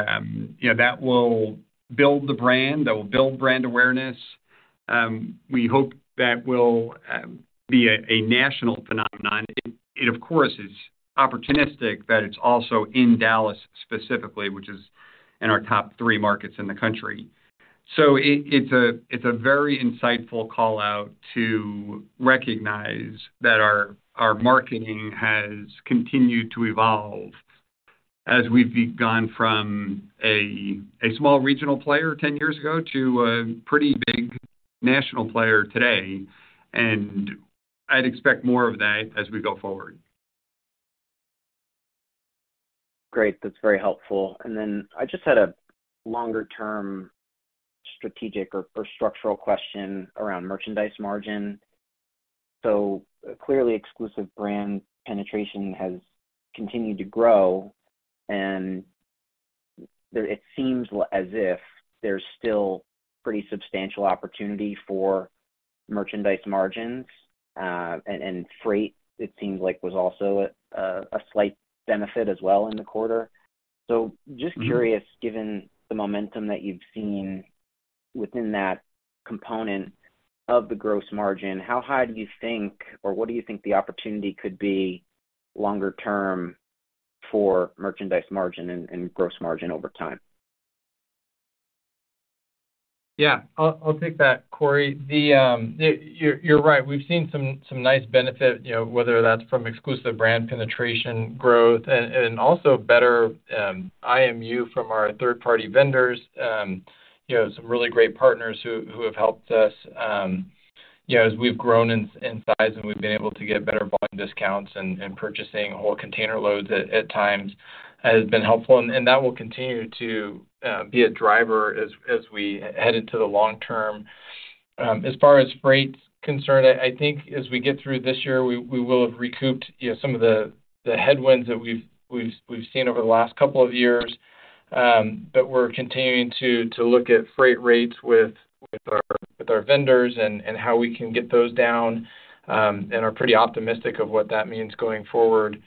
you know, that will build the brand, that will build brand awareness. We hope that will be a, a national phenomenon. It, of course, is opportunistic, that it's also in Dallas, specifically, which is in our top three markets in the country. So it's a very insightful call-out to recognize that our marketing has continued to evolve as we've gone from a small regional player ten years ago to a pretty big national player today. And I'd expect more of that as we go forward. Great. That's very helpful. And then I just had a longer-term strategic or structural question around Merchandise Margin. So clearly, Exclusive Brand Penetration has continued to grow, and there it seems as if there's still pretty substantial opportunity for Merchandise Margins, and freight, it seems like, was also a slight benefit as well in the quarter. So just curious, given the momentum that you've seen within that component of the Gross Margin, how high do you think or what do you think the opportunity could be longer term for Merchandise Margin and Gross Margin over time? Yeah, I'll take that, Corey. You're right. We've seen some nice benefit, you know, whether that's from exclusive brand penetration growth and also better IMU from our third-party vendors. You know, some really great partners who have helped us, you know, as we've grown in size and we've been able to get better volume discounts and purchasing whole container loads at times has been helpful. And that will continue to be a driver as we head into the long term. As far as freight's concerned, I think as we get through this year, we will have recouped, you know, some of the headwinds that we've seen over the last couple of years. But we're continuing to look at freight rates with our vendors and how we can get those down, and are pretty optimistic of what that means going forward.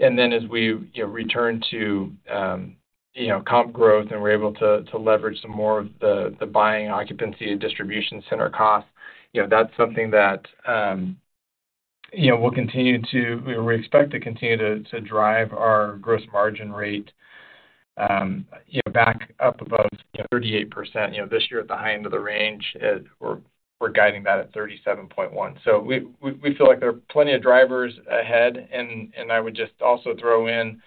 And then as we, you know, return to, you know, comp growth and we're able to leverage some more of the buying occupancy and distribution center costs, you know, that's something that, you know, we'll continue to... We expect to continue to drive our gross margin rate, you know, back up above 38%. You know, this year, at the high end of the range, we're guiding that at 37.1%. So we feel like there are plenty of drivers ahead, and I would just also throw in,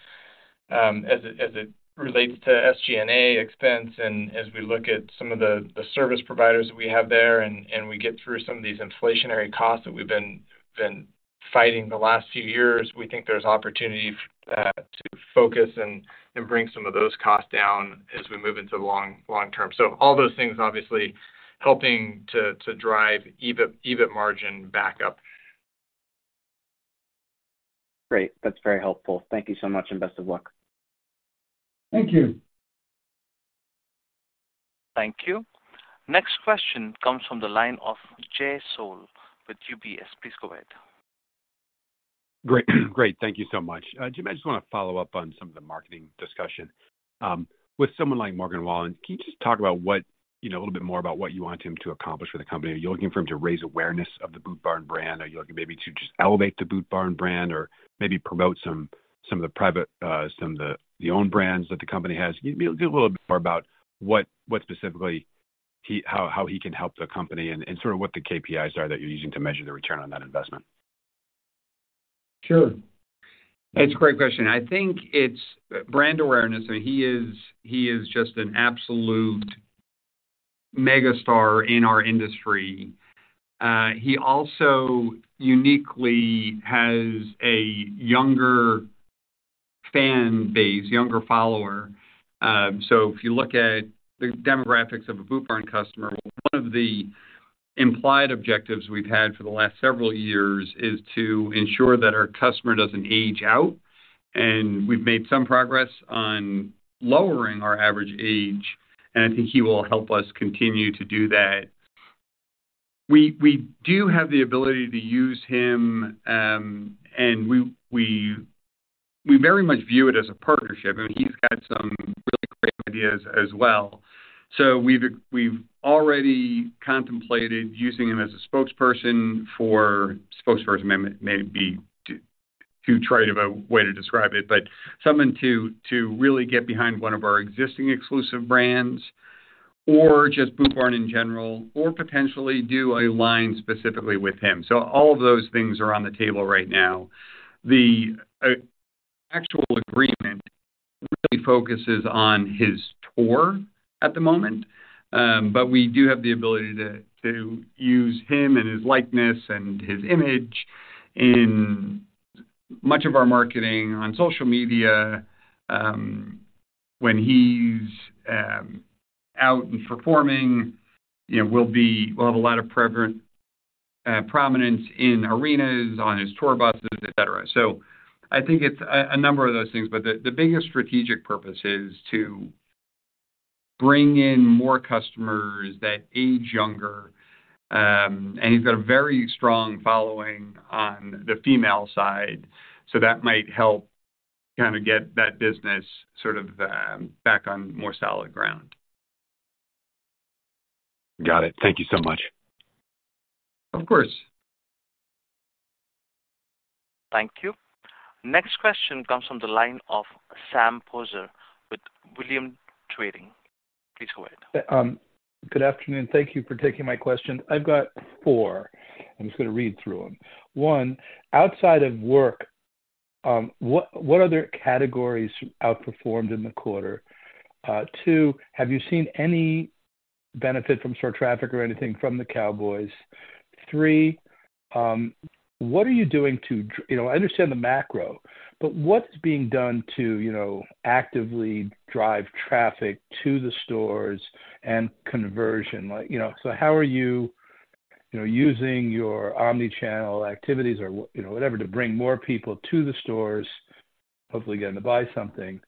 as it relates to SG&A expense and as we look at some of the service providers that we have there and we get through some of these inflationary costs that we've been fighting the last few years, we think there's opportunity to focus and bring some of those costs down as we move into the long term. So all those things obviously helping to drive EBIT margin back up. Great. That's very helpful. Thank you so much, and best of luck. Thank you. Thank you. Next question comes from the line of Jay Sole with UBS. Please go ahead.... Great, great. Thank you so much. Jim, I just want to follow up on some of the marketing discussion. With someone like Morgan Wallen, can you just talk about what, you know, a little bit more about what you want him to accomplish for the company? Are you looking for him to raise awareness of the Boot Barn brand? Are you looking maybe to just elevate the Boot Barn brand or maybe promote some, some of the private, some of the, the own brands that the company has? Give me a little bit more about what, what specifically he-- how, how he can help the company and, and sort of what the KPIs are that you're using to measure the return on that investment. Sure. It's a great question. I think it's brand awareness, and he is just an absolute mega star in our industry. He also uniquely has a younger fan base, younger follower. So if you look at the demographics of a Boot Barn customer, one of the implied objectives we've had for the last several years is to ensure that our customer doesn't age out, and we've made some progress on lowering our average age, and I think he will help us continue to do that. We do have the ability to use him, and we very much view it as a partnership. I mean, he's got some really great ideas as well. So we've already contemplated using him as a spokesperson for... Sponsorship may be too trite of a way to describe it, but someone to really get behind one of our existing exclusive brands or just Boot Barn in general, or potentially do a line specifically with him. So all of those things are on the table right now. The actual agreement really focuses on his tour at the moment. But we do have the ability to use him and his likeness and his image in much of our marketing on social media. When he's out and performing, you know, we'll have a lot of prominence in arenas, on his tour buses, et cetera. So I think it's a number of those things, but the biggest strategic purpose is to bring in more customers that age younger. And he's got a very strong following on the female side, so that might help kind of get that business sort of back on more solid ground. Got it. Thank you so much. Of course. Thank you. Next question comes from the line of Sam Poser with Williams Trading. Please go ahead. Good afternoon. Thank you for taking my question. I've got four. I'm just going to read through them. One, outside of work, what other categories outperformed in the quarter? Two, have you seen any benefit from store traffic or anything from the Cowboys? Three, what are you doing to—you know, I understand the macro, but what's being done to, you know, actively drive traffic to the stores and conversion? Like, you know, so how are you, you know, using your omni-channel activities or what, you know, whatever, to bring more people to the stores, hopefully getting to buy something?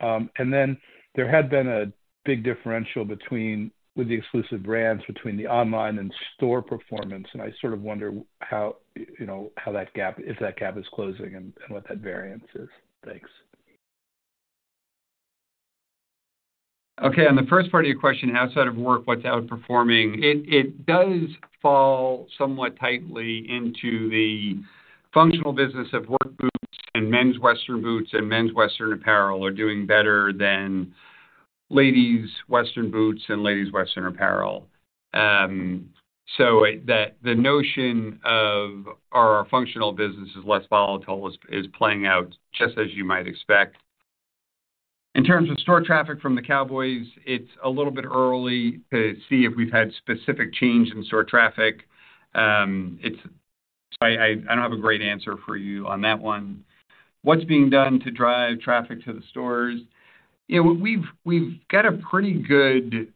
And then there had been a big differential between, with the exclusive brands, between the online and store performance, and I sort of wonder how, you know, how that gap—if that gap is closing and what that variance is. Thanks. Okay, on the first part of your question, outside of work, what's outperforming? It, it does fall somewhat tightly into the functional business of work boots and men's western boots and men's western apparel are doing better than ladies' western boots and ladies' western apparel. So it, the notion of our functional business is less volatile is playing out just as you might expect. In terms of store traffic from the Cowboys, it's a little bit early to see if we've had specific change in store traffic. It's—I don't have a great answer for you on that one. What's being done to drive traffic to the stores? You know, we've got a pretty good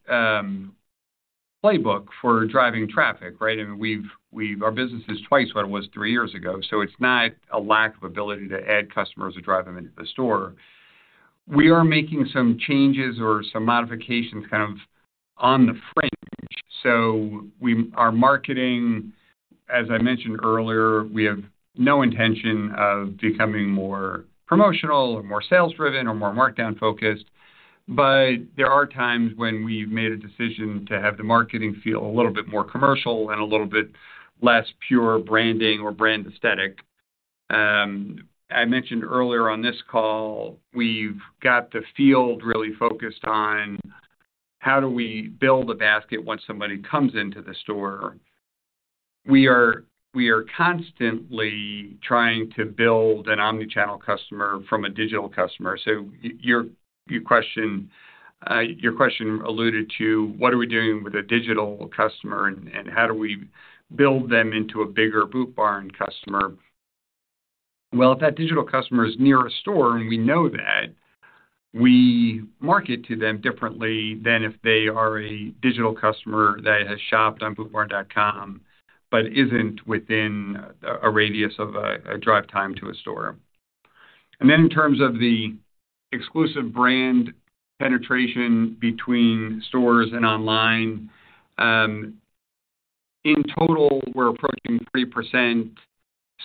playbook for driving traffic, right? I mean, our business is twice what it was three years ago, so it's not a lack of ability to add customers or drive them into the store. We are making some changes or some modifications kind of on the fringe. So, our marketing, as I mentioned earlier, we have no intention of becoming more promotional or more sales driven or more markdown focused, but there are times when we've made a decision to have the marketing feel a little bit more commercial and a little bit less pure branding or brand aesthetic. I mentioned earlier on this call, we've got the field really focused on how do we build a basket once somebody comes into the store. We are constantly trying to build an omni-channel customer from a digital customer. So, your question alluded to: what are we doing with a digital customer, and how do we build them into a bigger Boot Barn customer? Well, if that digital customer is near a store and we know that, we market to them differently than if they are a digital customer that has shopped on bootbarn.com but isn't within a radius of a drive time to a store.... And then in terms of the exclusive brand penetration between stores and online, in total, we're approaching 3%.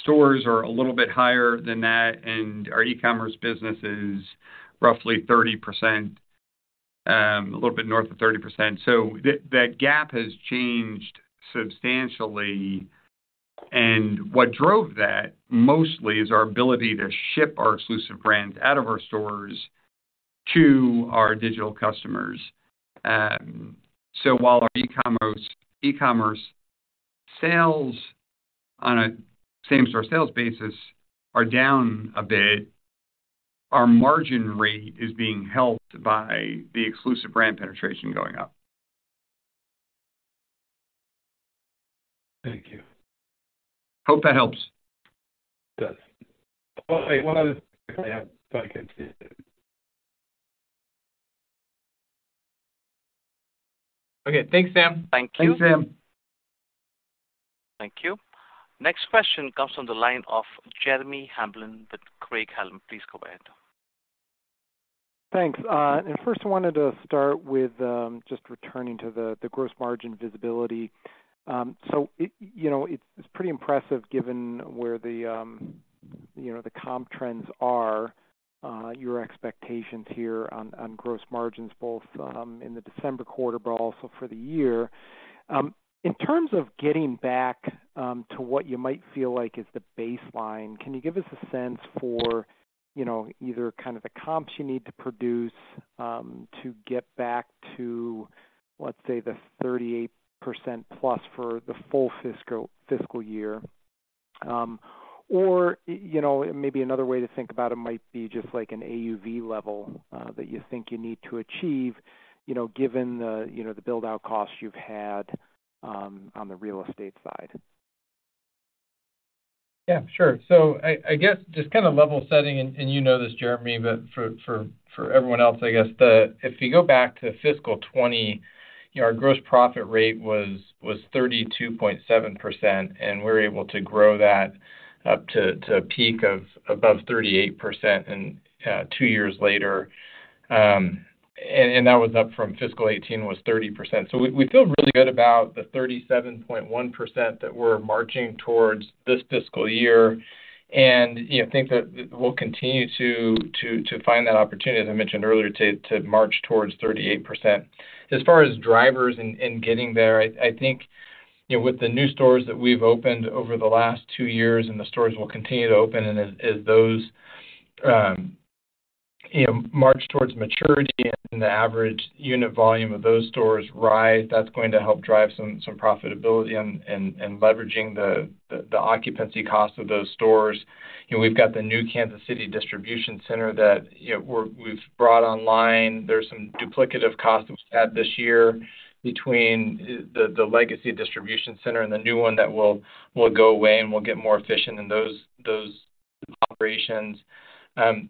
Stores are a little bit higher than that, and our e-commerce business is roughly 30%, a little bit north of 30%. So that gap has changed substantially. And what drove that mostly is our ability to ship our exclusive brands out of our stores to our digital customers. So while our e-commerce, e-commerce sales on a same-store sales basis are down a bit, our margin rate is being helped by the exclusive brand penetration going up. Thank you. Hope that helps. It does. Well, I want to have so I can see it. Okay, thanks, Sam. Thank you. Thanks, Sam. Thank you. Next question comes from the line of Jeremy Hamblin with Craig-Hallum. Please go ahead. Thanks. First, I wanted to start with just returning to the gross margin visibility. So, you know, it's pretty impressive given where, you know, the comp trends are, your expectations here on gross margins, both in the December quarter, but also for the year. In terms of getting back to what you might feel like is the baseline, can you give us a sense for, you know, either kind of the comps you need to produce to get back to, let's say, the 38%+ for the full fiscal year? Or, you know, maybe another way to think about it might be just like an AUV level that you think you need to achieve, you know, given the, you know, the build-out costs you've had on the real estate side. Yeah, sure. So I guess just kind of level setting, and you know this, Jeremy, but for everyone else, I guess the... If you go back to fiscal 2020, our gross profit rate was 32.7%, and we were able to grow that up to a peak of above 38% and two years later. And that was up from fiscal 2018, was 30%. So we feel really good about the 37.1% that we're marching towards this fiscal year, and you know, think that we'll continue to find that opportunity, as I mentioned earlier, to march towards 38%. As far as drivers in getting there, I think, you know, with the new stores that we've opened over the last two years and the stores will continue to open and as those, you know, march towards maturity and the average unit volume of those stores rise, that's going to help drive some profitability and leveraging the occupancy cost of those stores. You know, we've got the new Kansas City distribution center that, you know, we've brought online. There's some duplicative costs we've had this year between the legacy distribution center and the new one that will go away, and we'll get more efficient in those operations. And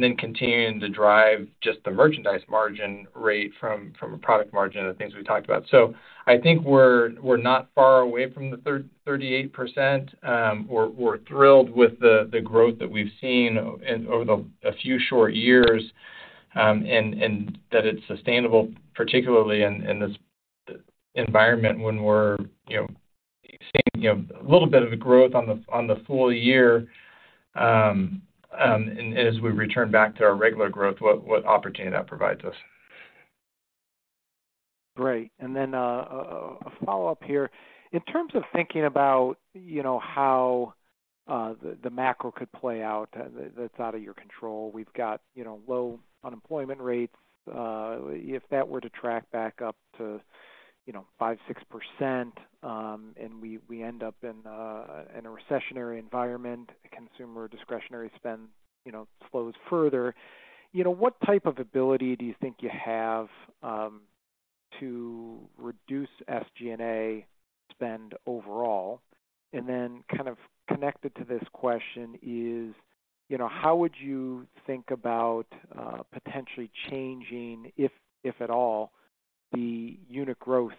then continuing to drive just the merchandise margin rate from a product margin are the things we talked about. So I think we're not far away from the 38%. We're thrilled with the growth that we've seen over a few short years, and that it's sustainable, particularly in this environment, when we're, you know, seeing, you know, a little bit of a growth on the full year, and as we return back to our regular growth, what opportunity that provides us. Great. Then, a follow-up here. In terms of thinking about, you know, how the macro could play out, that's out of your control. We've got, you know, low unemployment rates. If that were to track back up to, you know, 5%-6%, and we end up in a recessionary environment, consumer discretionary spend, you know, slows further. You know, what type of ability do you think you have to reduce SG&A spend overall? And then kind of connected to this question is, you know, how would you think about potentially changing, if at all, the unit growth,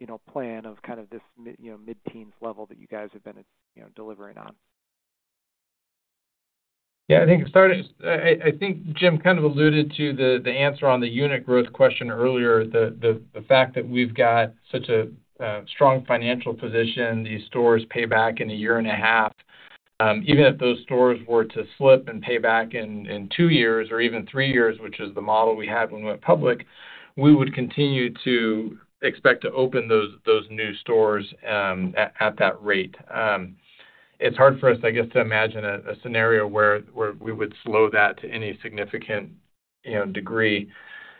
you know, plan of kind of this mid-teens level that you guys have been, you know, delivering on? Yeah, I think Jim kind of alluded to the answer on the unit growth question earlier. The fact that we've got such a strong financial position, these stores pay back in a year and a half. Even if those stores were to slip and pay back in two years or even three years, which is the model we had when we went public, we would continue to expect to open those new stores at that rate. It's hard for us, I guess, to imagine a scenario where we would slow that to any significant, you know, degree.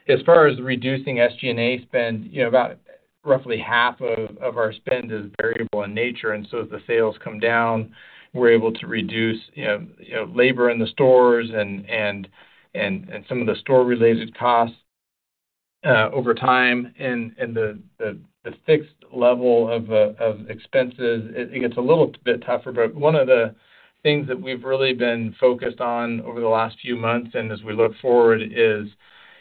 As far as reducing SG&A spend, you know, about roughly half of our spend is variable in nature, and so as the sales come down, we're able to reduce, you know, labor in the stores and some of the store-related costs over time. And the fixed level of expenses, it gets a little bit tougher. But one of the things that we've really been focused on over the last few months, and as we look forward, is,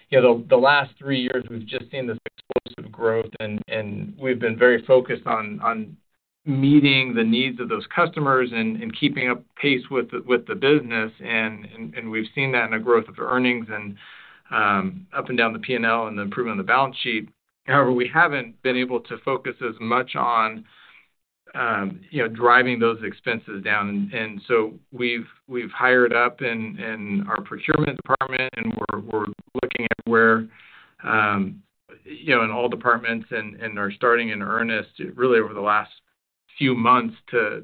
you know, the last three years, we've just seen this explosive growth, and we've been very focused on, ...meeting the needs of those customers and keeping up pace with the business. And we've seen that in the growth of earnings and up and down the P&L and the improvement of the balance sheet. However, we haven't been able to focus as much on, you know, driving those expenses down. And so we've hired up in our procurement department, and we're looking at where, you know, in all departments and are starting in earnest, really over the last few months, to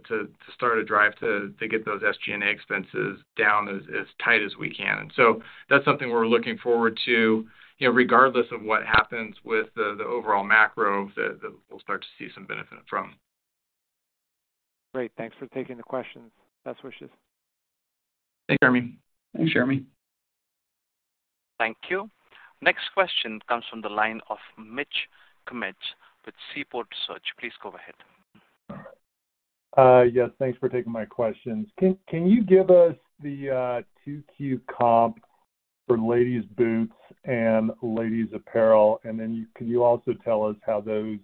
start a drive to get those SG&A expenses down as tight as we can. So that's something we're looking forward to, you know, regardless of what happens with the overall macro, that we'll start to see some benefit from. Great. Thanks for taking the questions. Best wishes. Thanks, Jeremy. Thanks, Jeremy. Thank you. Next question comes from the line of Mitch Kummetz with Seaport Research. Please go ahead. Yes, thanks for taking my questions. Can you give us the 2Q comp for ladies' boots and ladies' apparel? And then can you also tell us how those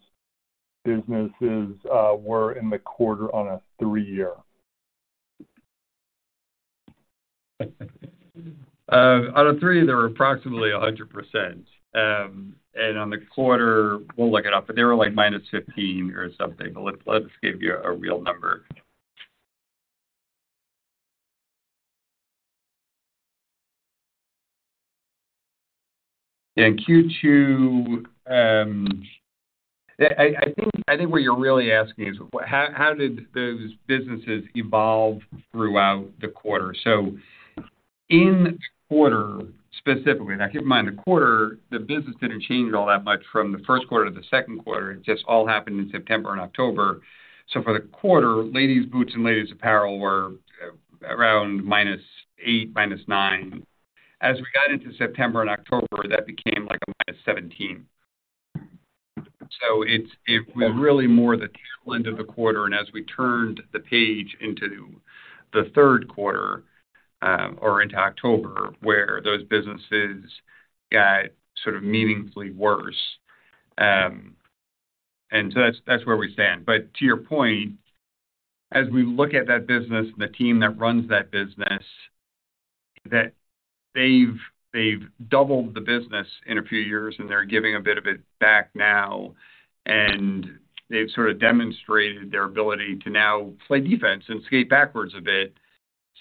businesses were in the quarter on a three-year? Out of three, they were approximately 100%. And on the quarter, we'll look it up, but they were, like, -15 or something. Let us give you a real number. In Q2, I think what you're really asking is, how did those businesses evolve throughout the quarter? So in quarter specifically, now keep in mind, the quarter, the business didn't change all that much from the first quarter to the second quarter. It just all happened in September and October. So for the quarter, ladies' boots and ladies' apparel were around -8, -9. As we got into September and October, that became, like, -17. So it's, it was really more the tail end of the quarter, and as we turned the page into the third quarter, or into October, where those businesses got sort of meaningfully worse. And so that's, that's where we stand. But to your point, as we look at that business and the team that runs that business, that they've, they've doubled the business in a few years, and they're giving a bit of it back now. And they've sort of demonstrated their ability to now play defense and skate backwards a bit.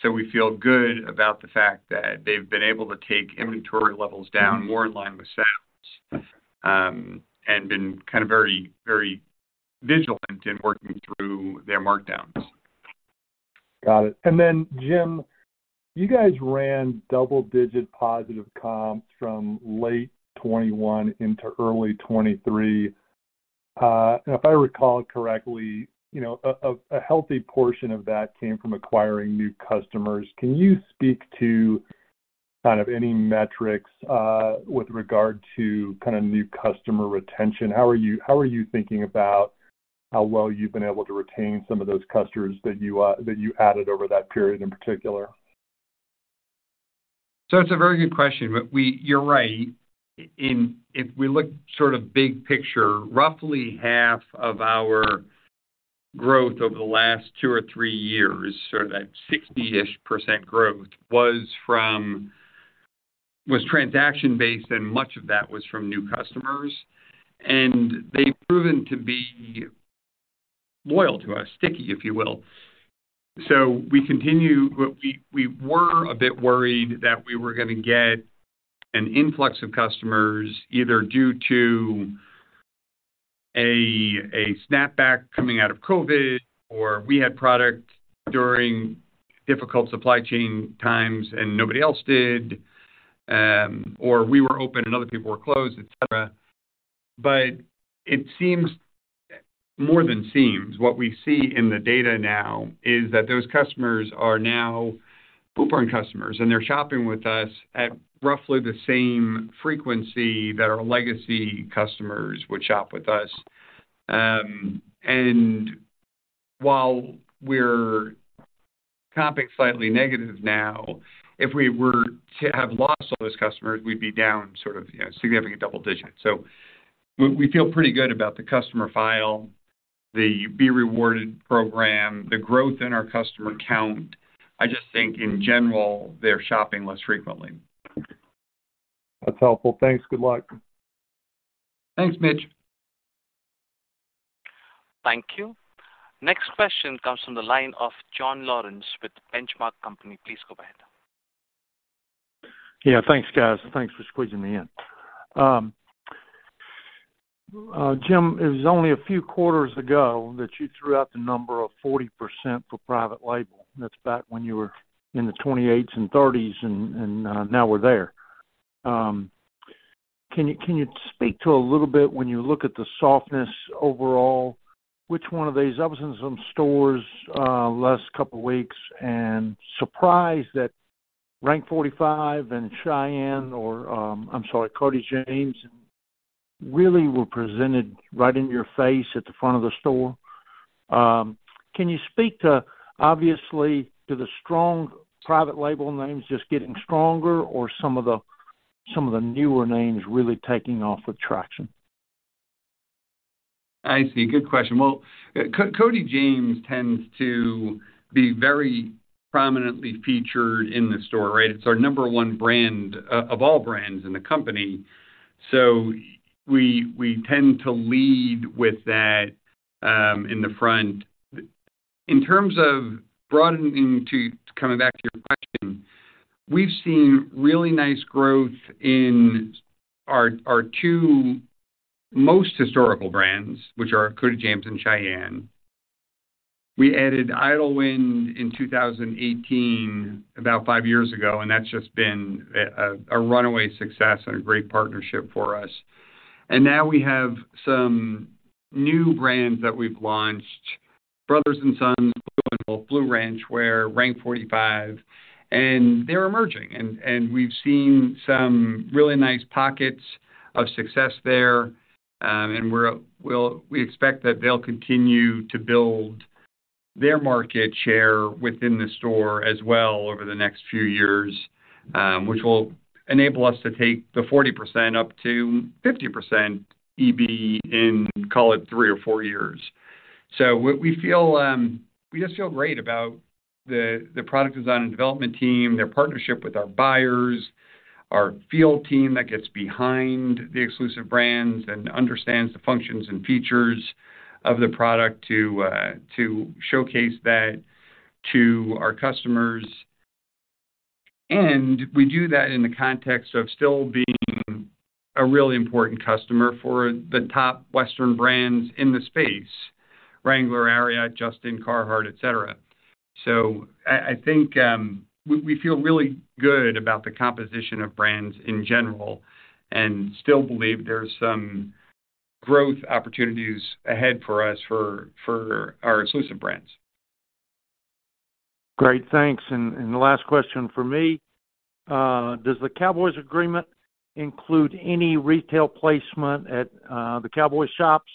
So we feel good about the fact that they've been able to take inventory levels down more in line with sales, and been kind of very, very vigilant in working through their markdowns. Got it. And then, Jim, you guys ran double-digit positive comps from late 2021 into early 2023. And if I recall correctly, you know, a healthy portion of that came from acquiring new customers. Can you speak to kind of any metrics with regard to kind of new customer retention? How are you, how are you thinking about how well you've been able to retain some of those customers that you that you added over that period in particular? So it's a very good question, but you're right. If we look sort of big picture, roughly half of our growth over the last two or three years, sort of that 60%-ish growth, was transaction-based, and much of that was from new customers, and they've proven to be loyal to us, sticky, if you will. So we continue. But we were a bit worried that we were gonna get an influx of customers, either due to a snapback coming out of COVID, or we had product during difficult supply chain times, and nobody else did, or we were open and other people were closed, et cetera. But it seems, more than seems, what we see in the data now is that those customers are now Boot Barn customers, and they're shopping with us at roughly the same frequency that our legacy customers would shop with us. And while we're comping slightly negative now, if we were to have lost all those customers, we'd be down sort of, you know, significant double digits. So we feel pretty good about the customer file, the B Rewarded program, the growth in our customer count. I just think in general, they're shopping less frequently. That's helpful. Thanks. Good luck. Thanks, Mitch. Thank you. Next question comes from the line of John Lawrence with The Benchmark Company. Please go ahead. Yeah, thanks, guys. Thanks for squeezing me in. Jim, it was only a few quarters ago that you threw out the number of 40% for private label. That's back when you were in the 28s and 30s, and now we're there. Can you speak to a little bit when you look at the softness overall, which one of these... I was in some stores last couple weeks and surprised that Rank 45 and Shyanne or, I'm sorry, Cody James, really were presented right in your face at the front of the store. Can you speak to, obviously, to the strong private label names just getting stronger or some of the... some of the newer names really taking off with traction? I see. Good question. Well, Cody James tends to be very prominently featured in the store, right? It's our number one brand of all brands in the company, so we, we tend to lead with that in the front. In terms of broadening to, coming back to your question, we've seen really nice growth in our, our two most historical brands, which are Cody James and Shyanne. We added Idyllwind in 2018, about five years ago, and that's just been a runaway success and a great partnership for us. And now we have some new brands that we've launched, Brothers & Sons, Blue Ranchwear, Rank 45, and they're emerging. We've seen some really nice pockets of success there, and we expect that they'll continue to build their market share within the store as well over the next few years, which will enable us to take the 40% up to 50% EB in, call it, three or four years. So what we feel, we just feel great about the product design and development team, their partnership with our buyers, our field team that gets behind the exclusive brands and understands the functions and features of the product to showcase that to our customers. And we do that in the context of still being a really important customer for the top Western brands in the space, Wrangler, Ariat, Justin, Carhartt, et cetera. So I think we feel really good about the composition of brands in general and still believe there's some growth opportunities ahead for us for our exclusive brands. Great, thanks. And the last question from me, does the Cowboys agreement include any retail placement at the Cowboys shops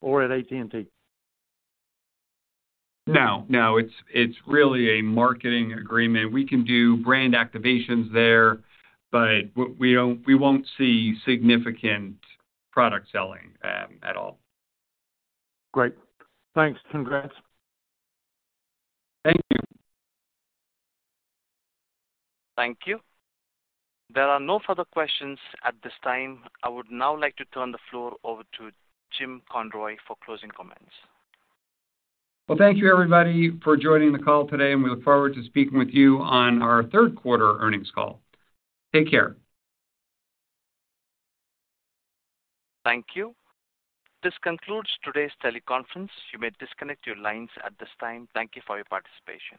or at AT&T? No, no, it's, it's really a marketing agreement. We can do brand activations there, but we, we don't, we won't see significant product selling at all. Great. Thanks, congrats. Thank you. Thank you. There are no further questions at this time. I would now like to turn the floor over to Jim Conroy for closing comments. Well, thank you, everybody, for joining the call today, and we look forward to speaking with you on our third quarter earnings call. Take care. Thank you. This concludes today's teleconference. You may disconnect your lines at this time. Thank you for your participation.